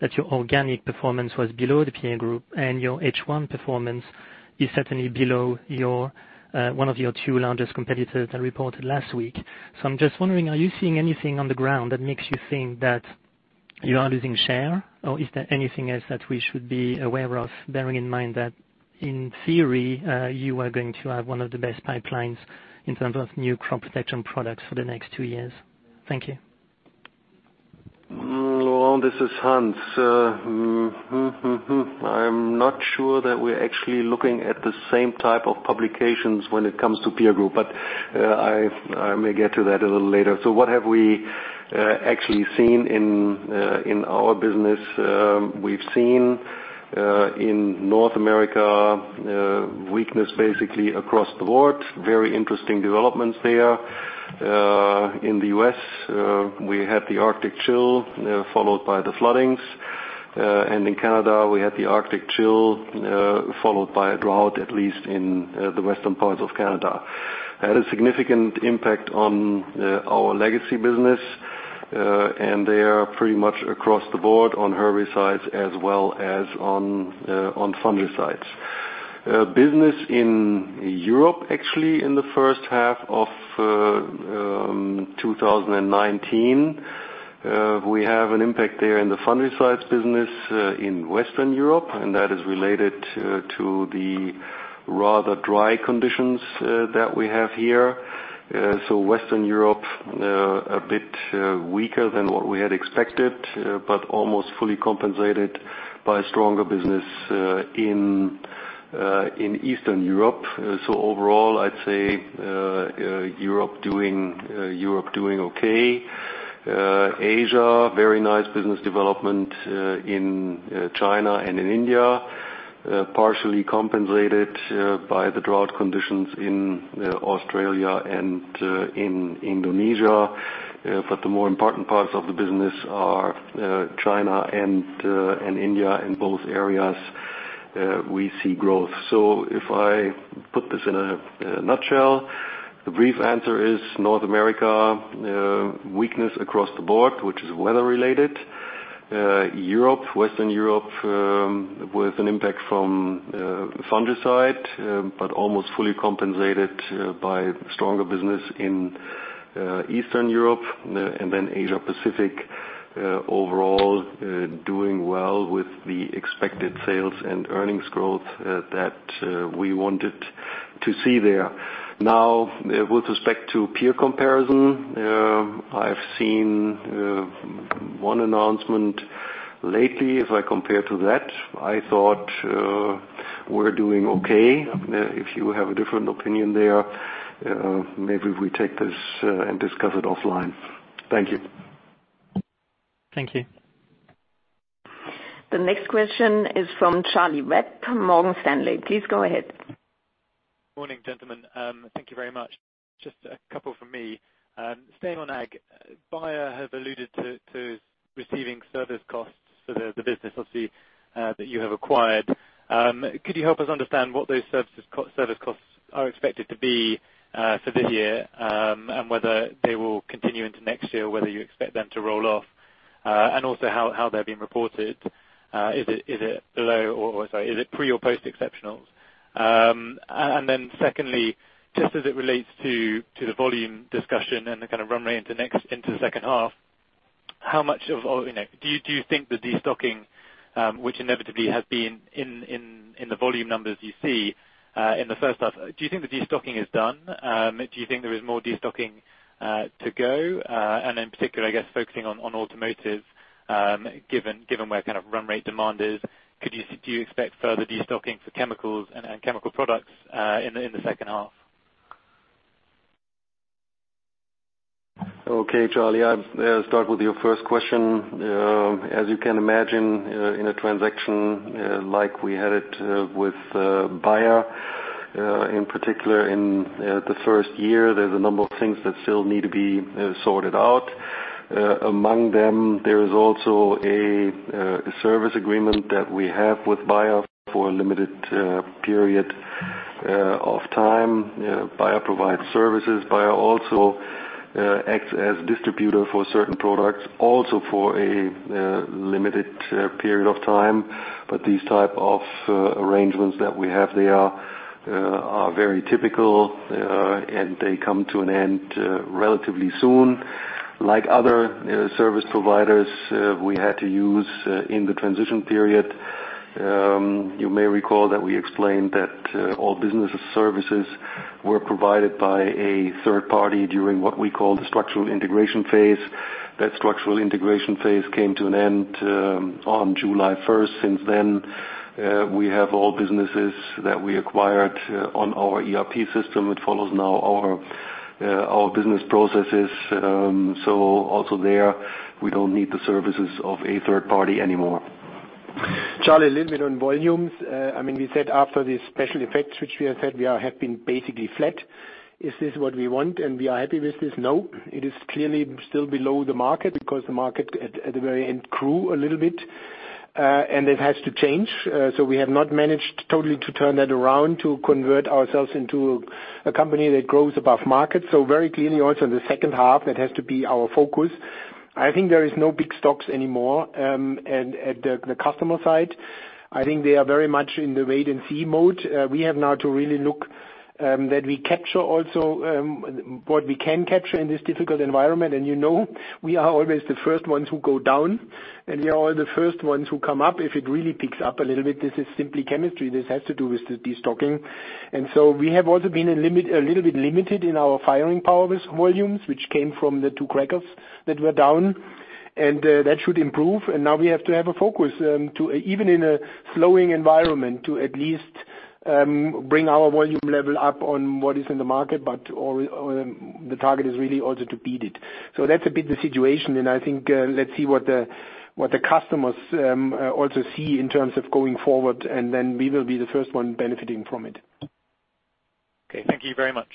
that your organic performance was below the peer group and your H1 performance is certainly below one of your two largest competitors that reported last week. I'm just wondering, are you seeing anything on the ground that makes you think that you are losing share? Is there anything else that we should be aware of, bearing in mind that in theory, you are going to have one of the best pipelines in terms of new crop protection products for the next two years? Thank you. Laurent, this is Hans. I'm not sure that we're actually looking at the same type of publications when it comes to peer group, but I may get to that a little later. What have we actually seen in our business? We've seen in North America, weakness basically across the board, very interesting developments there. In the U.S., we had the arctic chill, followed by the floodings. In Canada, we had the arctic chill, followed by a drought, at least in the western part of Canada. Had a significant impact on our legacy business, and they are pretty much across the board on herbicides as well as on fungicides. Business in Europe, actually in the first half of 2019, we have an impact there in the fungicides business in Western Europe, and that is related to the rather dry conditions that we have here. Western Europe, a bit weaker than what we had expected, but almost fully compensated by stronger business in Eastern Europe. Overall, I'd say Europe doing okay. Asia, very nice business development in China and in India, partially compensated by the drought conditions in Australia and in Indonesia. The more important parts of the business are China and India. In both areas, we see growth. If I put this in a nutshell, the brief answer is North America, weakness across the board, which is weather related. Europe, Western Europe with an impact from fungicide, but almost fully compensated by stronger business in Eastern Europe and then Asia Pacific. Overall, doing well with the expected sales and earnings growth that we wanted to see there. With respect to peer comparison, I've seen one announcement lately. If I compare to that, I thought we're doing okay. If you have a different opinion there, maybe we take this and discuss it offline. Thank you. Thank you. The next question is from Charlie Webb, Morgan Stanley. Please go ahead. Morning, gentlemen. Thank you very much. Just a couple from me. Staying on ag, Bayer has alluded to receiving service costs for the business, obviously, that you have acquired. Could you help us understand what those service costs are expected to be for the year, and whether they will continue into next year, whether you expect them to roll off, and also how they're being reported? Is it pre or post-exceptionals? Then secondly, just as it relates to the volume discussion and the kind of run rate into the second half, do you think the de-stocking which inevitably has been in the volume numbers you see in the first half, do you think the de-stocking is done? Do you think there is more de-stocking to go? In particular, I guess focusing on automotive, given where run rate demand is, do you expect further de-stocking for chemicals and chemical products in the second half? Okay, Charlie. I start with your first question. As you can imagine, in a transaction like we had it with Bayer, in particular in the first year, there's a number of things that still need to be sorted out. Among them, there is also a service agreement that we have with Bayer for a limited period of time. Bayer provides services. Bayer also acts as distributor for certain products, also for a limited period of time. These type of arrangements that we have there are very typical, and they come to an end relatively soon. Like other service providers we had to use in the transition period, you may recall that we explained that all business services were provided by a third party during what we call the structural integration phase. That structural integration phase came to an end on July 1st. Since then, we have all businesses that we acquired on our ERP system. It follows now our business processes. Also there, we don't need the services of a third party anymore. Charlie, a little bit on volumes. We said after the special effects, which we have said we have been basically flat. Is this what we want and we are happy with this? No. It is clearly still below the market because the market at the very end grew a little bit, and it has to change. We have not managed totally to turn that around to convert ourselves into a company that grows above market. Very clearly also in the second half, that has to be our focus. I think there is no big stocks anymore. At the customer side, I think they are very much in the wait-and-see mode. We have now to really look that we capture also what we can capture in this difficult environment. You know we are always the first ones who go down, and we are always the first ones who come up if it really picks up a little bit. This is simply chemistry. This has to do with the de-stocking. We have also been a little bit limited in our firing power with volumes, which came from the two crackers that were down, and that should improve. Now we have to have a focus to, even in a slowing environment, to at least bring our volume level up on what is in the market, but the target is really also to beat it. That's a bit the situation, and I think let's see what the customers also see in terms of going forward, and then we will be the first one benefiting from it. Okay. Thank you very much.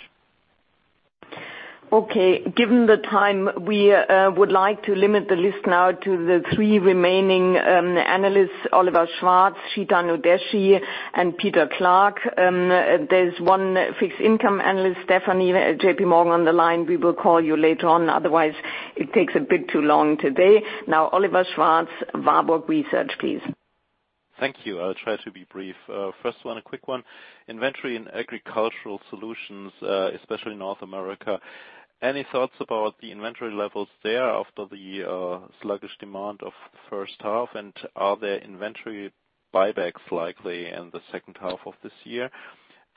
Okay. Given the time, we would like to limit the list now to the three remaining analysts, Oliver Schwarz, Chetan Udeshi, and Peter Clark. There's one fixed income analyst, Stefanie at JPMorgan on the line. We will call you later on. Otherwise, it takes a bit too long today. Now, Oliver Schwarz, Warburg Research, please. Thank you. I'll try to be brief. First one, a quick one. Inventory in agricultural solutions, especially North America. Any thoughts about the inventory levels there after the sluggish demand of the first half, and are there inventory buybacks likely in the second half of this year?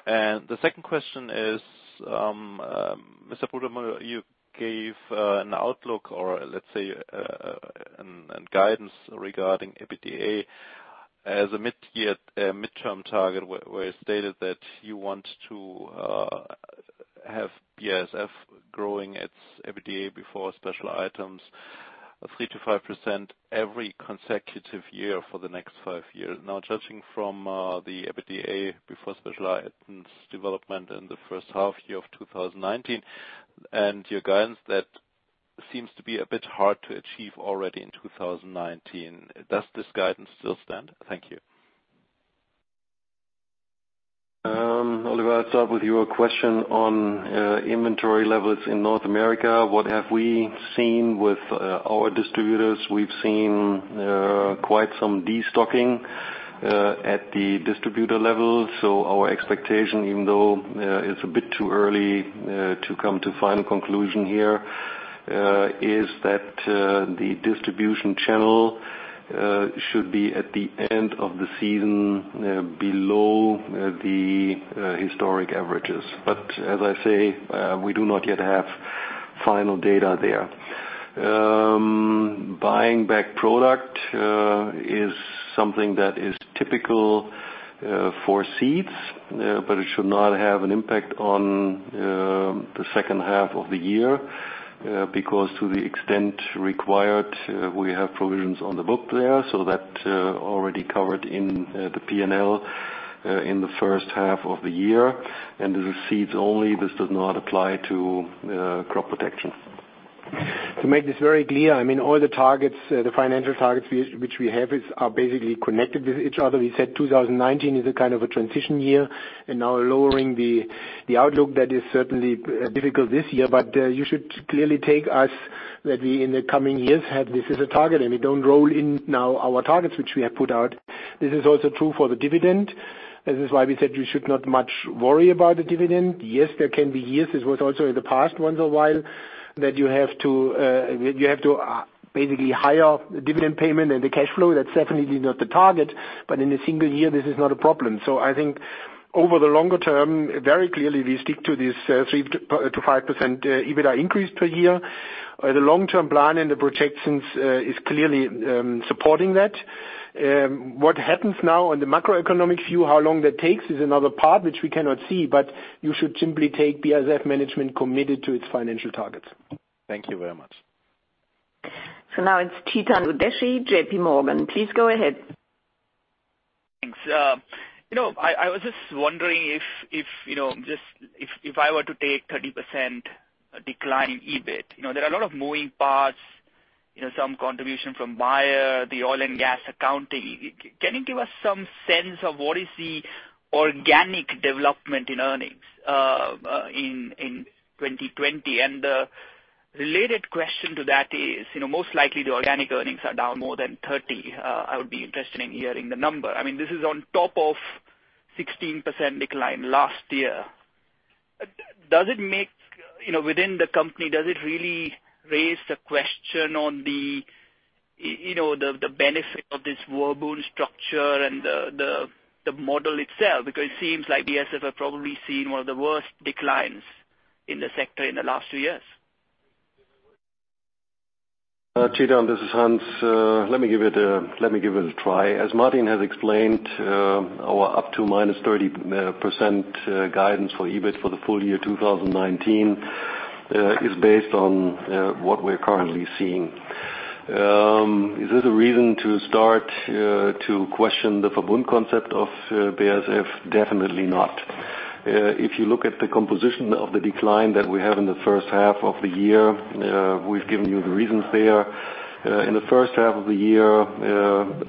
The second question is, Mr. Brudermüller, you gave an outlook or let's say, and guidance regarding EBITDA as a midterm target where you stated that you want to have BASF growing its EBITDA before special items 3%-5% every consecutive year for the next five years. Judging from the EBITDA before special items development in the first half year of 2019 and your guidance, that seems to be a bit hard to achieve already in 2019. Does this guidance still stand? Thank you. Oliver, I'll start with your question on inventory levels in North America. What have we seen with our distributors? We've seen quite some de-stocking at the distributor level. Our expectation, even though it's a bit too early to come to final conclusion here, is that the distribution channel should be at the end of the season below the historic averages. As I say, we do not yet have final data there. Buying back product is something that is typical for seeds, but it should not have an impact on the second half of the year, because to the extent required, we have provisions on the book there. That already covered in the P&L in the first half of the year. This is seeds only. This does not apply to crop protection. To make this very clear, all the financial targets which we have are basically connected with each other. We said 2019 is a kind of a transition year and now lowering the outlook, that is certainly difficult this year. You should clearly take us that we, in the coming years, have this as a target, and we don't roll in now our targets, which we have put out. This is also true for the dividend. This is why we said we should not much worry about the dividend. Yes, there can be years, this was also in the past once a while, that you have to basically higher dividend payment and the cash flow. That's definitely not the target. In a single year, this is not a problem. I think over the longer term, very clearly, we stick to this 3%-5% EBITDA increase per year. The long-term plan and the projections is clearly supporting that. What happens now on the macroeconomic view, how long that takes is another part which we cannot see. You should simply take BASF management committed to its financial targets. Thank you very much. Now it's Chetan Udeshi, JPMorgan. Please go ahead. Thanks. I was just wondering if I were to take 30% decline in EBIT. There are a lot of moving parts, some contribution from Bayer, the oil and gas accounting. Can you give us some sense of what is the organic development in earnings in 2020? The related question to that is, most likely the organic earnings are down more than 30. I would be interested in hearing the number. This is on top of 16% decline last year. Within the company, does it really raise the question on the benefit of this Verbund structure and the model itself? It seems like BASF have probably seen one of the worst declines in the sector in the last two years. Chetan, this is Hans. Let me give it a try. As Martin has explained, our up to -30% guidance for EBIT for the full year 2019 is based on what we're currently seeing. Is this a reason to start to question the Verbund concept of BASF? Definitely not. If you look at the composition of the decline that we have in the first half of the year, we've given you the reasons there. In the first half of the year,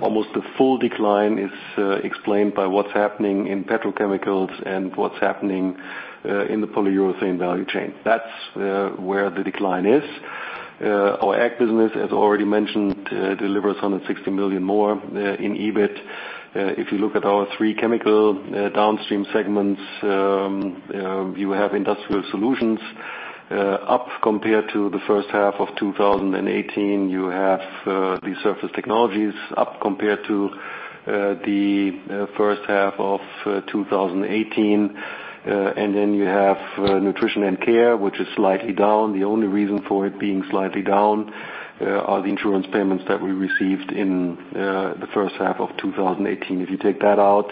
almost the full decline is explained by what's happening in petrochemicals and what's happening in the polyurethane value chain. That's where the decline is. Our ag business, as already mentioned, delivers 160 million more in EBIT. If you look at our three chemical downstream segments, you have industrial solutions up compared to the first half of 2018. You have the surface technologies up compared to the first half of 2018. You have nutrition and care, which is slightly down. The only reason for it being slightly down are the insurance payments that we received in the first half of 2018. If you take that out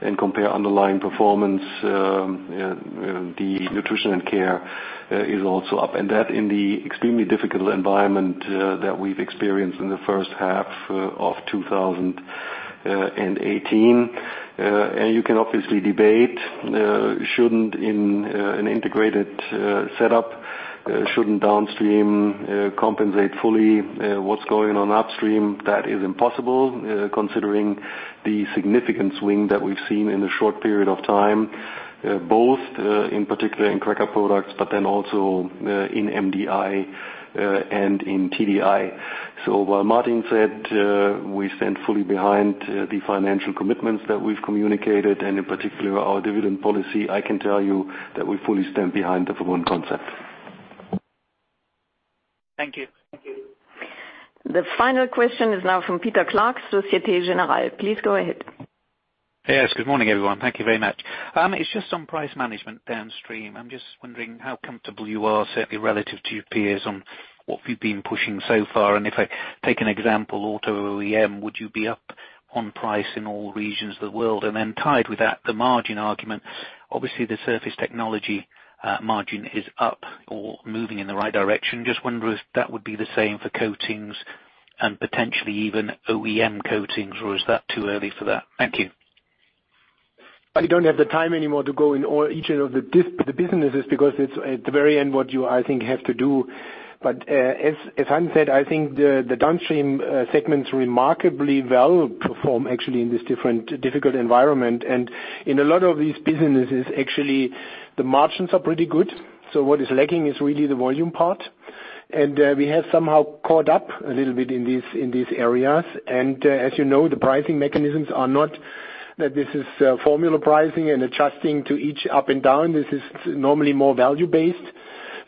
and compare underlying performance, the nutrition and care is also up, and that in the extremely difficult environment that we've experienced in the first half of 2018. You can obviously debate, shouldn't an integrated setup, shouldn't downstream compensate fully what's going on upstream? That is impossible considering the significant swing that we've seen in a short period of time, both in particular in cracker products, but then also in MDI and in TDI. While Martin said we stand fully behind the financial commitments that we've communicated, and in particular our dividend policy, I can tell you that we fully stand behind the Verbund concept. Thank you. The final question is now from Peter Clark, Société Générale. Please go ahead. Yes, good morning, everyone. Thank you very much. It is just on price management downstream. I am just wondering how comfortable you are, certainly relative to your peers, on what you have been pushing so far. If I take an example, auto OEM, would you be up on price in all regions of the world? Then tied with that, the margin argument. Obviously, the Surface Technology margin is up or moving in the right direction. Just wondering if that would be the same for Coatings and potentially even OEM Coatings, or is that too early for that? Thank you. I don't have the time anymore to go in each of the businesses because it's at the very end what you, I think, have to do. As Hans said, I think the downstream segments remarkably well perform actually in this difficult environment. In a lot of these businesses, actually, the margins are pretty good. What is lacking is really the volume part. We have somehow caught up a little bit in these areas. As you know, the pricing mechanisms are not that this is formula pricing and adjusting to each up and down. This is normally more value-based.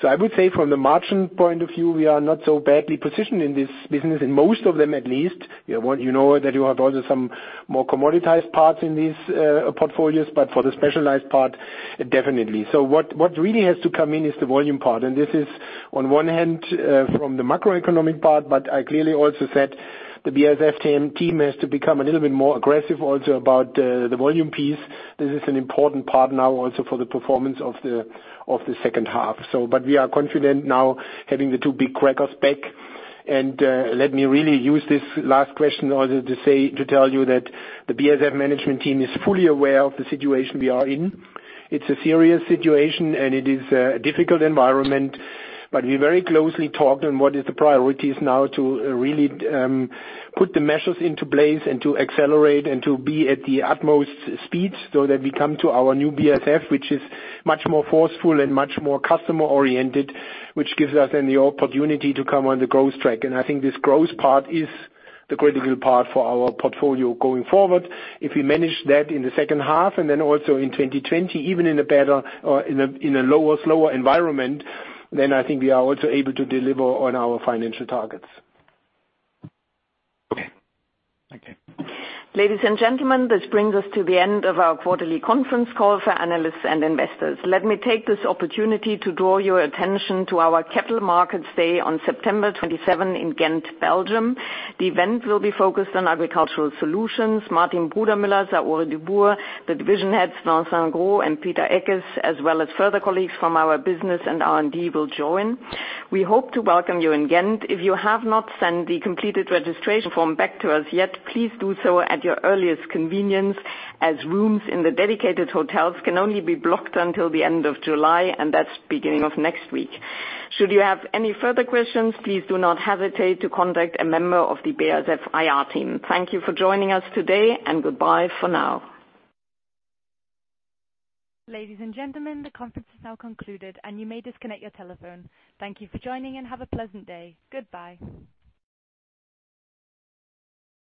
I would say from the margin point of view, we are not so badly positioned in this business, in most of them at least. You know that you have also some more commoditized parts in these portfolios, but for the specialized part, definitely. What really has to come in is the volume part. This is on one hand from the macroeconomic part, but I clearly also said the BASF team has to become a little bit more aggressive also about the volume piece. This is an important part now also for the performance of the second half. We are confident now having the two big crackers back. Let me really use this last question also to tell you that the BASF management team is fully aware of the situation we are in. It's a serious situation and it is a difficult environment. We very closely talked on what is the priorities now to really put the measures into place and to accelerate and to be at the utmost speed so that we come to our new BASF, which is much more forceful and much more customer-oriented, which gives us then the opportunity to come on the growth track. I think this growth part is the critical part for our portfolio going forward. If we manage that in the second half and then also in 2020, even in a lower, slower environment, then I think we are also able to deliver on our financial targets. Okay. Thank you. Ladies and gentlemen, this brings us to the end of our quarterly conference call for analysts and investors. Let me take this opportunity to draw your attention to our Capital Markets Day on September 27 in Ghent, Belgium. The event will be focused on Agricultural Solutions. Martin Brudermüller, Saori Dubourg, the division heads, Vincent Gros and Peter Eckes, as well as further colleagues from our business and R&D will join. We hope to welcome you in Ghent. If you have not sent the completed registration form back to us yet, please do so at your earliest convenience, as rooms in the dedicated hotels can only be blocked until the end of July, and that's the beginning of next week. Should you have any further questions, please do not hesitate to contact a member of the BASF IR team. Thank you for joining us today, and goodbye for now. Ladies and gentlemen, the conference is now concluded and you may disconnect your telephone. Thank you for joining and have a pleasant day. Goodbye.